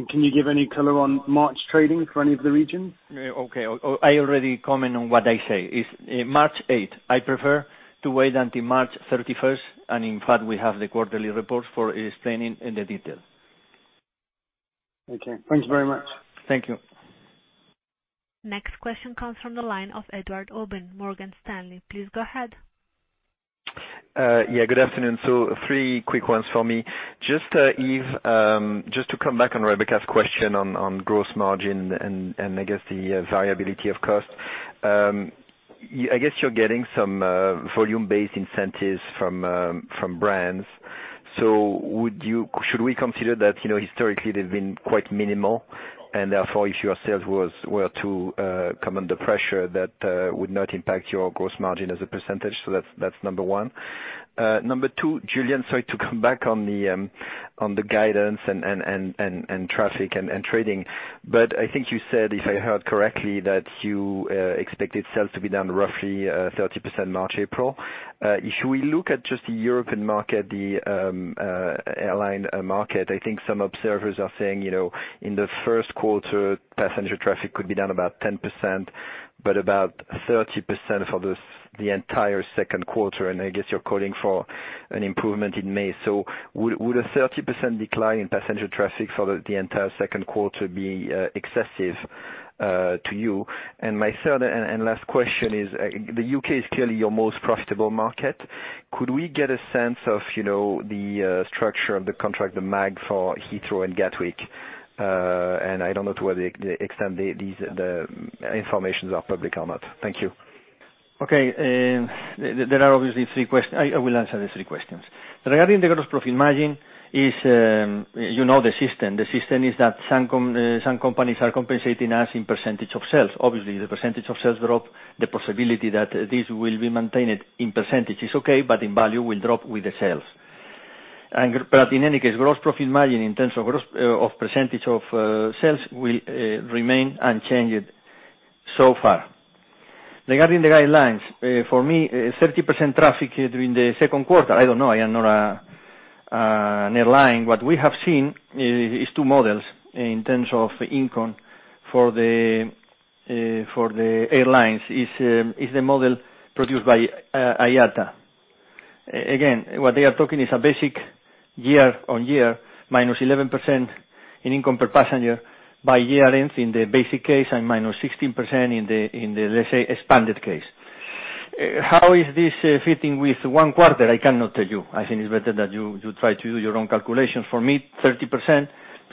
Can you give any color on March trading for any of the regions? Okay. I already comment on what I say. It's March eighth. I prefer to wait until March 31st, and in fact, we have the quarterly report for explaining in the detail. Okay. Thanks very much. Thank you. Next question comes from the line of Edouard Aubin, Morgan Stanley. Please go ahead. Yeah, good afternoon. Three quick ones for me. Just, Yves, just to come back on Rebecca's question on gross margin and I guess the variability of cost. I guess you're getting some volume-based incentives from brands. Should we consider that historically they've been quite minimal, and therefore if your sales were to come under pressure that would not impact your gross margin as a percentage? That's number one. Number two, Julián, sorry to come back on the On the guidance and traffic and trading. I think you said, if I heard correctly, that you expected sales to be down roughly 30% March, April. If we look at just the European market, the airline market, I think some observers are saying, in the first quarter, passenger traffic could be down about 10%, but about 30% for the entire second quarter, and I guess you're calling for an improvement in May. Would a 30% decline in passenger traffic for the entire second quarter be excessive to you? My third and last question is, the U.K. is clearly your most profitable market. Could we get a sense of the structure of the contract, the MAG for Heathrow and Gatwick? I don't know to what extent these information are public or not. Thank you. Okay. There are obviously three questions. I will answer the three questions. Regarding the gross profit margin, you know the system. The system is that some companies are compensating us in percentage of sales. Obviously, the percentage of sales drop, the possibility that this will be maintained in percentage is okay, but in value will drop with the sales. In any case, gross profit margin in terms of percentage of sales will remain unchanged so far. Regarding the guidelines, for me, 30% traffic during the second quarter, I don't know. I am not an airline. What we have seen is two models in terms of income for the airlines is the model produced by IATA. Again, what they are talking is a basic year-over-year, minus 11% in income per passenger by year-end in the basic case, and minus 16% in the, let's say, expanded case. How is this fitting with one quarter? I cannot tell you. I think it's better that you try to do your own calculations. For me, 30%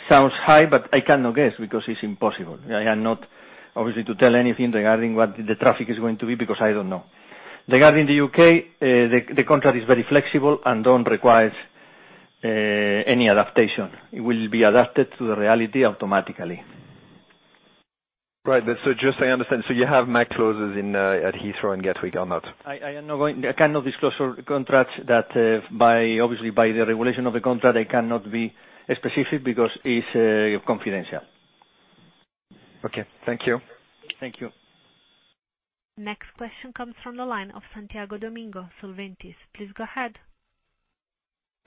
sounds high, but I cannot guess because it's impossible. I am not obviously to tell anything regarding what the traffic is going to be, because I don't know. Regarding the U.K., the contract is very flexible and don't require any adaptation. It will be adapted to the reality automatically. Right. Just so I understand, so you have MAG clauses at Heathrow and Gatwick or not? I cannot disclose contracts that, obviously by the regulation of the contract, I cannot be specific because it's confidential. Okay. Thank you. Thank you. Next question comes from the line of Santiago Domingo, Solventis. Please go ahead.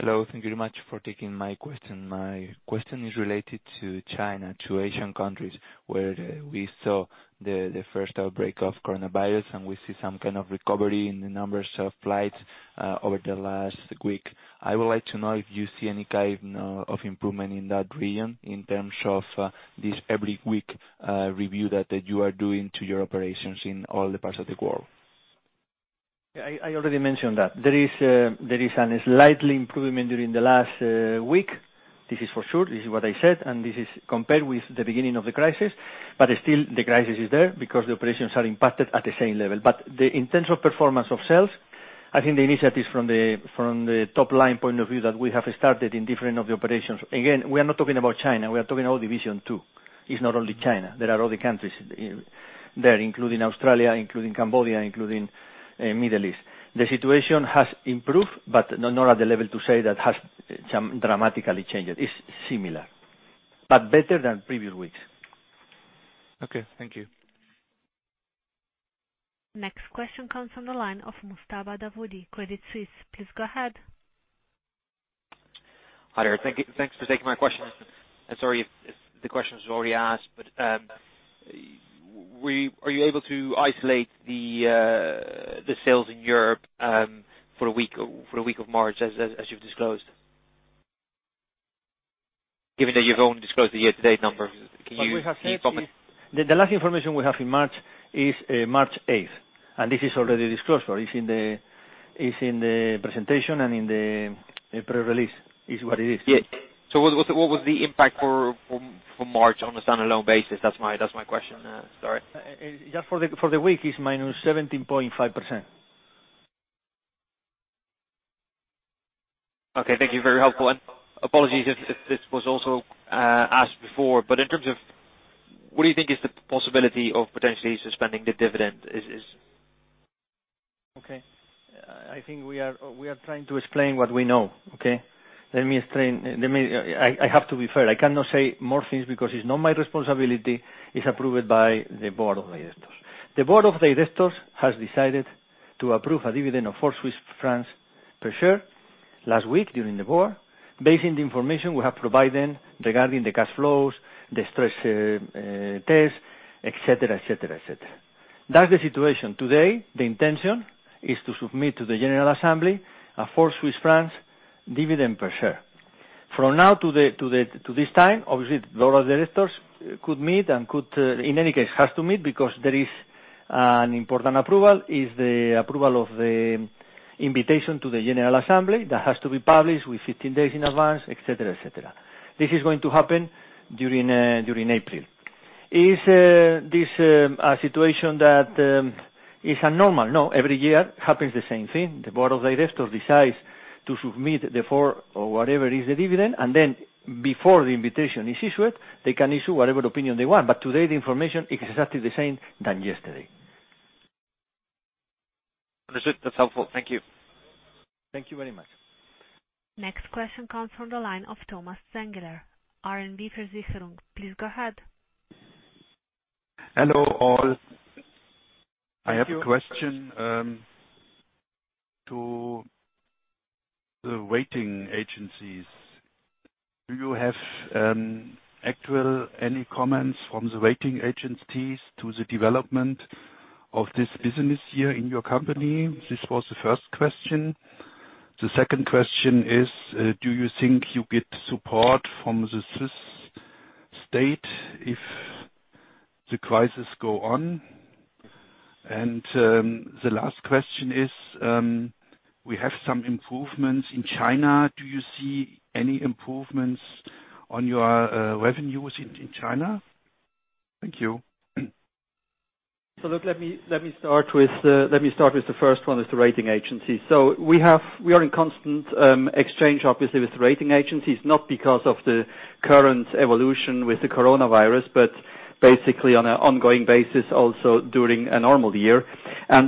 Hello. Thank you very much for taking my question. My question is related to China, to Asian countries, where we saw the first outbreak of coronavirus, and we see some kind of recovery in the numbers of flights over the last week. I would like to know if you see any kind of improvement in that region in terms of this every week review that you are doing to your operations in all the parts of the world? I already mentioned that. There is a slight improvement during the last week. This is for sure. This is what I said, and this is compared with the beginning of the crisis. Still, the crisis is there because the operations are impacted at the same level. In terms of performance of sales, I think the initiatives from the top line point of view that we have started in different of the operations. Again, we are not talking about China, we are talking all division, too. It's not only China. There are other countries there, including Australia, including Cambodia, including Middle East. The situation has improved, but not at the level to say that has some dramatically changed. It's similar, but better than previous weeks. Okay. Thank you. Next question comes from the line of Mostafa Dawoudi, Credit Suisse. Please go ahead. Hi there. Thanks for taking my question. Sorry if the question was already asked, are you able to isolate the sales in Europe for the week of March as you've disclosed? Given that you've only disclosed the year-to-date number, can you comment? The last information we have in March is March 8th, and this is already disclosed. It's in the presentation and in the press release. It is what it is. Yes. What was the impact for March on a standalone basis? That's my question. Sorry. Just for the week, it's -17.5%. Okay. Thank you. Very helpful. Apologies if this was also asked before, but in terms of what do you think is the possibility of potentially suspending the dividend? Okay. I think we are trying to explain what we know, okay? I have to be fair. I cannot say more things because it's not my responsibility. It's approved by the board of directors. The board of directors has decided to approve a dividend of 4 Swiss francs per share last week during the board, based on the information we have provided regarding the cash flows, the stress test, et cetera. That's the situation. Today, the intention is to submit to the general assembly a 4 Swiss francs dividend per share. From now to this time, obviously, the board of directors could meet and could, in any case, has to meet because there is an important approval, is the approval of the invitation to the general assembly that has to be published with 15 days in advance, et cetera. This is going to happen during April. Is this a situation that is abnormal? No. Every year happens the same thing. The board of directors decides to submit the four or whatever is the dividend, and then before the invitation is issued, they can issue whatever opinion they want. Today, the information is exactly the same than yesterday. That's it. That's helpful. Thank you. Thank you very much. Next question comes from the line of Thomas Sanger, RBC. Hello all. I have a question to the rating agencies. Do you have any comments from the rating agencies to the development of this business year in your company? This was the first question. The second question is, do you think you get support from the Swiss state if the crisis go on? The last question is, we have some improvements in China. Do you see any improvements on your revenues in China? Thank you. Look, let me start with the first one, is the rating agency. We are in constant exchange, obviously, with rating agencies, not because of the current evolution with the coronavirus, but basically on an ongoing basis, also during a normal year.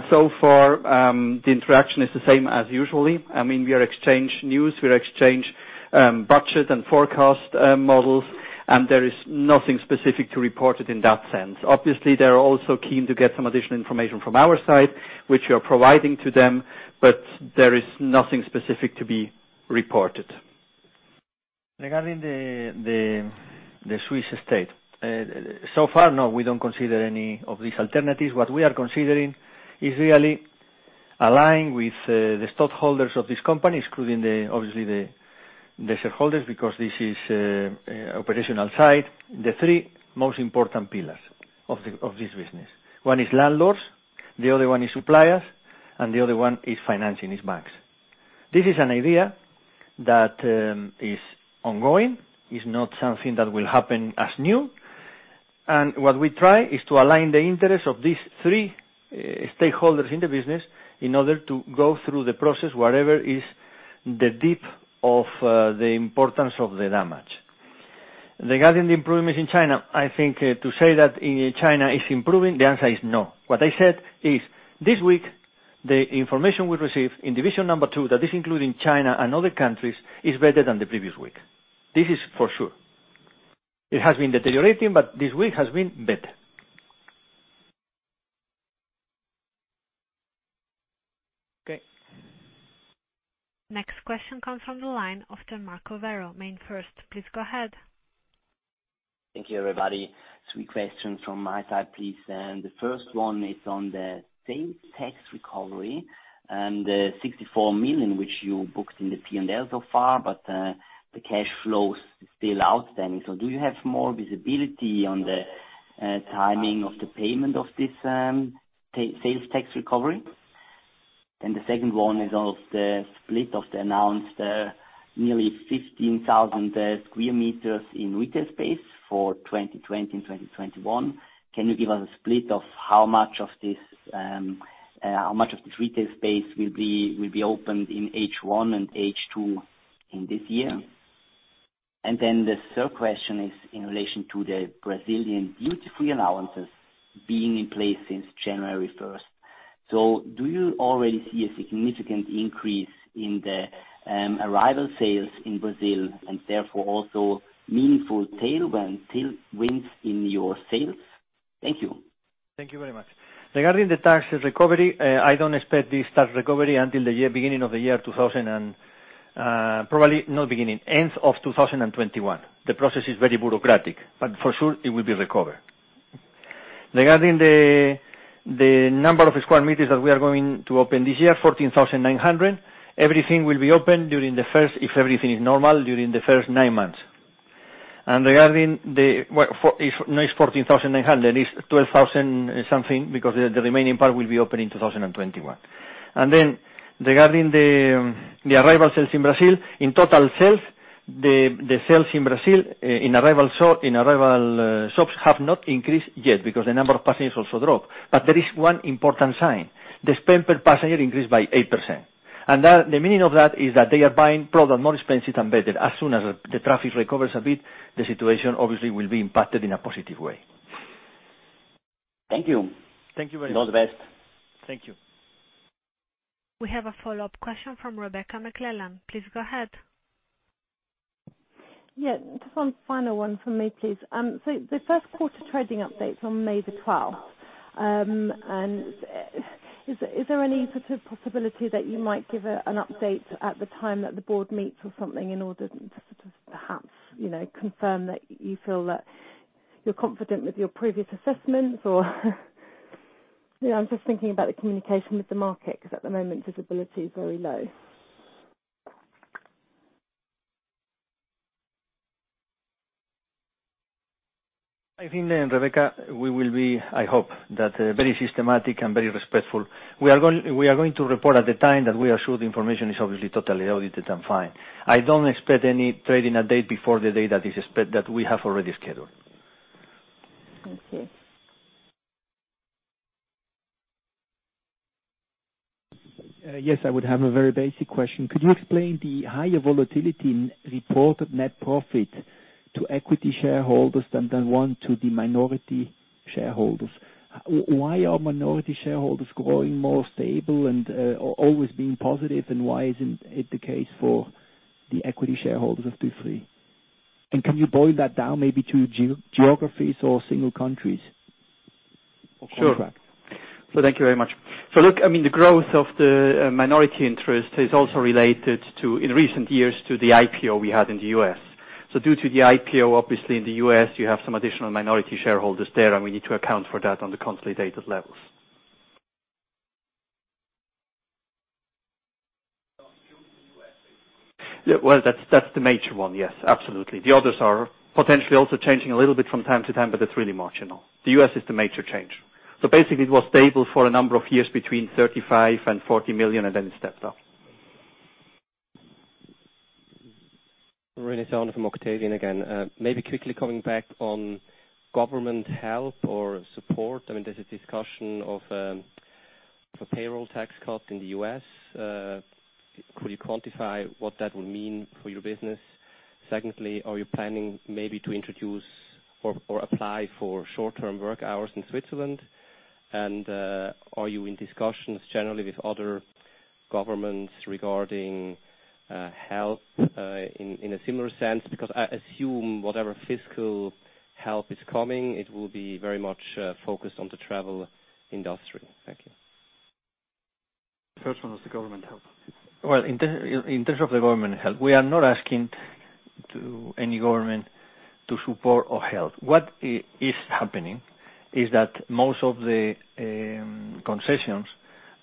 So far, the interaction is the same as usually. We exchange news, we exchange budget and forecast models, and there is nothing specific to report it in that sense. Obviously, they're also keen to get some additional information from our side, which we are providing to them, but there is nothing specific to be reported. Regarding the Swiss state. Far, no, we don't consider any of these alternatives. What we are considering is really aligned with the stockholders of this company, including obviously the shareholders, because this is operational side, the three most important pillars of this business. One is landlords, the other one is suppliers, the other one is financing, is banks. This is an idea that is ongoing, is not something that will happen as new. What we try is to align the interest of these three stakeholders in the business in order to go through the process, whatever is the deep of the importance of the damage. Regarding the improvements in China, I think to say that China is improving, the answer is no. What I said is, this week, the information we received in division number 2, that is including China and other countries, is better than the previous week. This is for sure. It has been deteriorating, this week has been better. Okay. Next question comes from the line of Marco Werro, MainFirst. Please go ahead. Thank you, everybody. Three questions from my side, please. The first one is on the sales tax recovery and the 64 million, which you booked in the P&L so far. The cash flow is still outstanding. Do you have more visibility on the timing of the payment of this sales tax recovery? The second one is of the split of the announced nearly 15,000 sq m in retail space for 2020 and 2021. Can you give us a split of how much of this retail space will be opened in H1 and H2 in this year? The third question is in relation to the Brazilian duty-free allowances being in place since January first. Do you already see a significant increase in the arrival sales in Brazil and therefore also meaningful tailwind in your sales? Thank you. Thank you very much. Regarding the tax recovery, I don't expect this tax recovery until probably end of 2021. The process is very bureaucratic, but for sure it will be recovered. Regarding the number of sq m that we are going to open this year, 14,900. Everything will be open, if everything is normal, during the first nine months. Not 14,900, is 12,000 something, because the remaining part will be open in 2021. Regarding the arrival sales in Brazil, in total sales, the sales in Brazil in arrival shops have not increased yet because the number of passengers also dropped. There is one important sign. The spend per passenger increased by 8%. The meaning of that is that they are buying product more expensive and better. As soon as the traffic recovers a bit, the situation obviously will be impacted in a positive way. Thank you. Thank you very much. All the best. Thank you. We have a follow-up question from Rebecca McClellan. Please go ahead. Just one final one from me, please. The first quarter trading update is on May the twelfth. Is there any sort of possibility that you might give an update at the time that the board meets or something in order to perhaps confirm that you feel that you're confident with your previous assessments or I'm just thinking about the communication with the market, because at the moment, visibility is very low. I think, Rebecca, we will be, I hope, very systematic and very respectful. We are going to report at the time that we are sure the information is obviously totally audited and fine. I don't expect any trading update before the date that we have already scheduled. Thank you. Yes, I would have a very basic question. Could you explain the higher volatility in reported net profit to equity shareholders than the one to the minority shareholders? Why are minority shareholders growing more stable and always being positive, and why isn't it the case for the equity shareholders of Dufry? Can you boil that down maybe to geographies or single countries? Sure. Contract. Thank you very much. Look, the growth of the minority interest is also related to, in recent years, to the IPO we had in the U.S. Due to the IPO, obviously in the U.S., you have some additional minority shareholders there, and we need to account for that on the consolidated levels. Due to the U.S., basically. That's the major one, yes, absolutely. The others are potentially also changing a little bit from time to time, but it's really marginal. The U.S. is the major change. Basically, it was stable for a number of years between $35 million and $40 million, and then it stepped up. Renaud from Octavian again. Maybe quickly coming back on government help or support. There's a discussion of a payroll tax cut in the U.S. Could you quantify what that will mean for your business? Secondly, are you planning maybe to introduce or apply for short-term work hours in Switzerland? Are you in discussions generally with other governments regarding help in a similar sense? I assume whatever fiscal help is coming, it will be very much focused on the travel industry. Thank you. First one was the government help. Well, in terms of the government help, we are not asking to any government to support or help. What is happening is that most of the concessions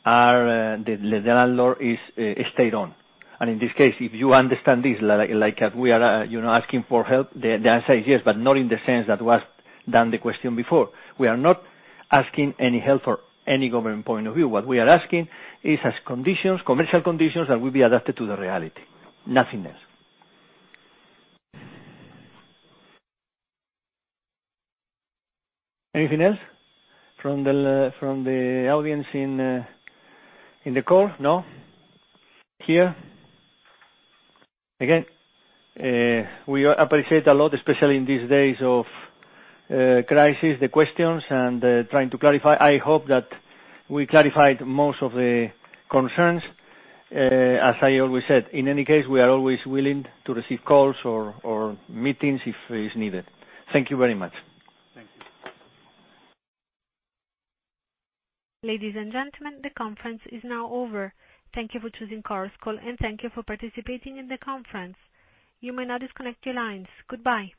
are, the general law is stayed on. In this case, if you understand this like we are asking for help, the answer is yes, but not in the sense that was done the question before. We are not asking any help or any government point of view. What we are asking is as conditions, commercial conditions, that will be adapted to the reality. Nothing else. Anything else from the audience in the call? No. Here? Again, we appreciate a lot, especially in these days of crisis, the questions and trying to clarify. I hope that we clarified most of the concerns. As I always said, in any case, we are always willing to receive calls or meetings if it is needed. Thank you very much. Thank you. Ladies and gentlemen, the conference is now over. Thank Thank you for choosing Chorus Call, thank you for participating in the conference. You may now disconnect your lines. Goodbye.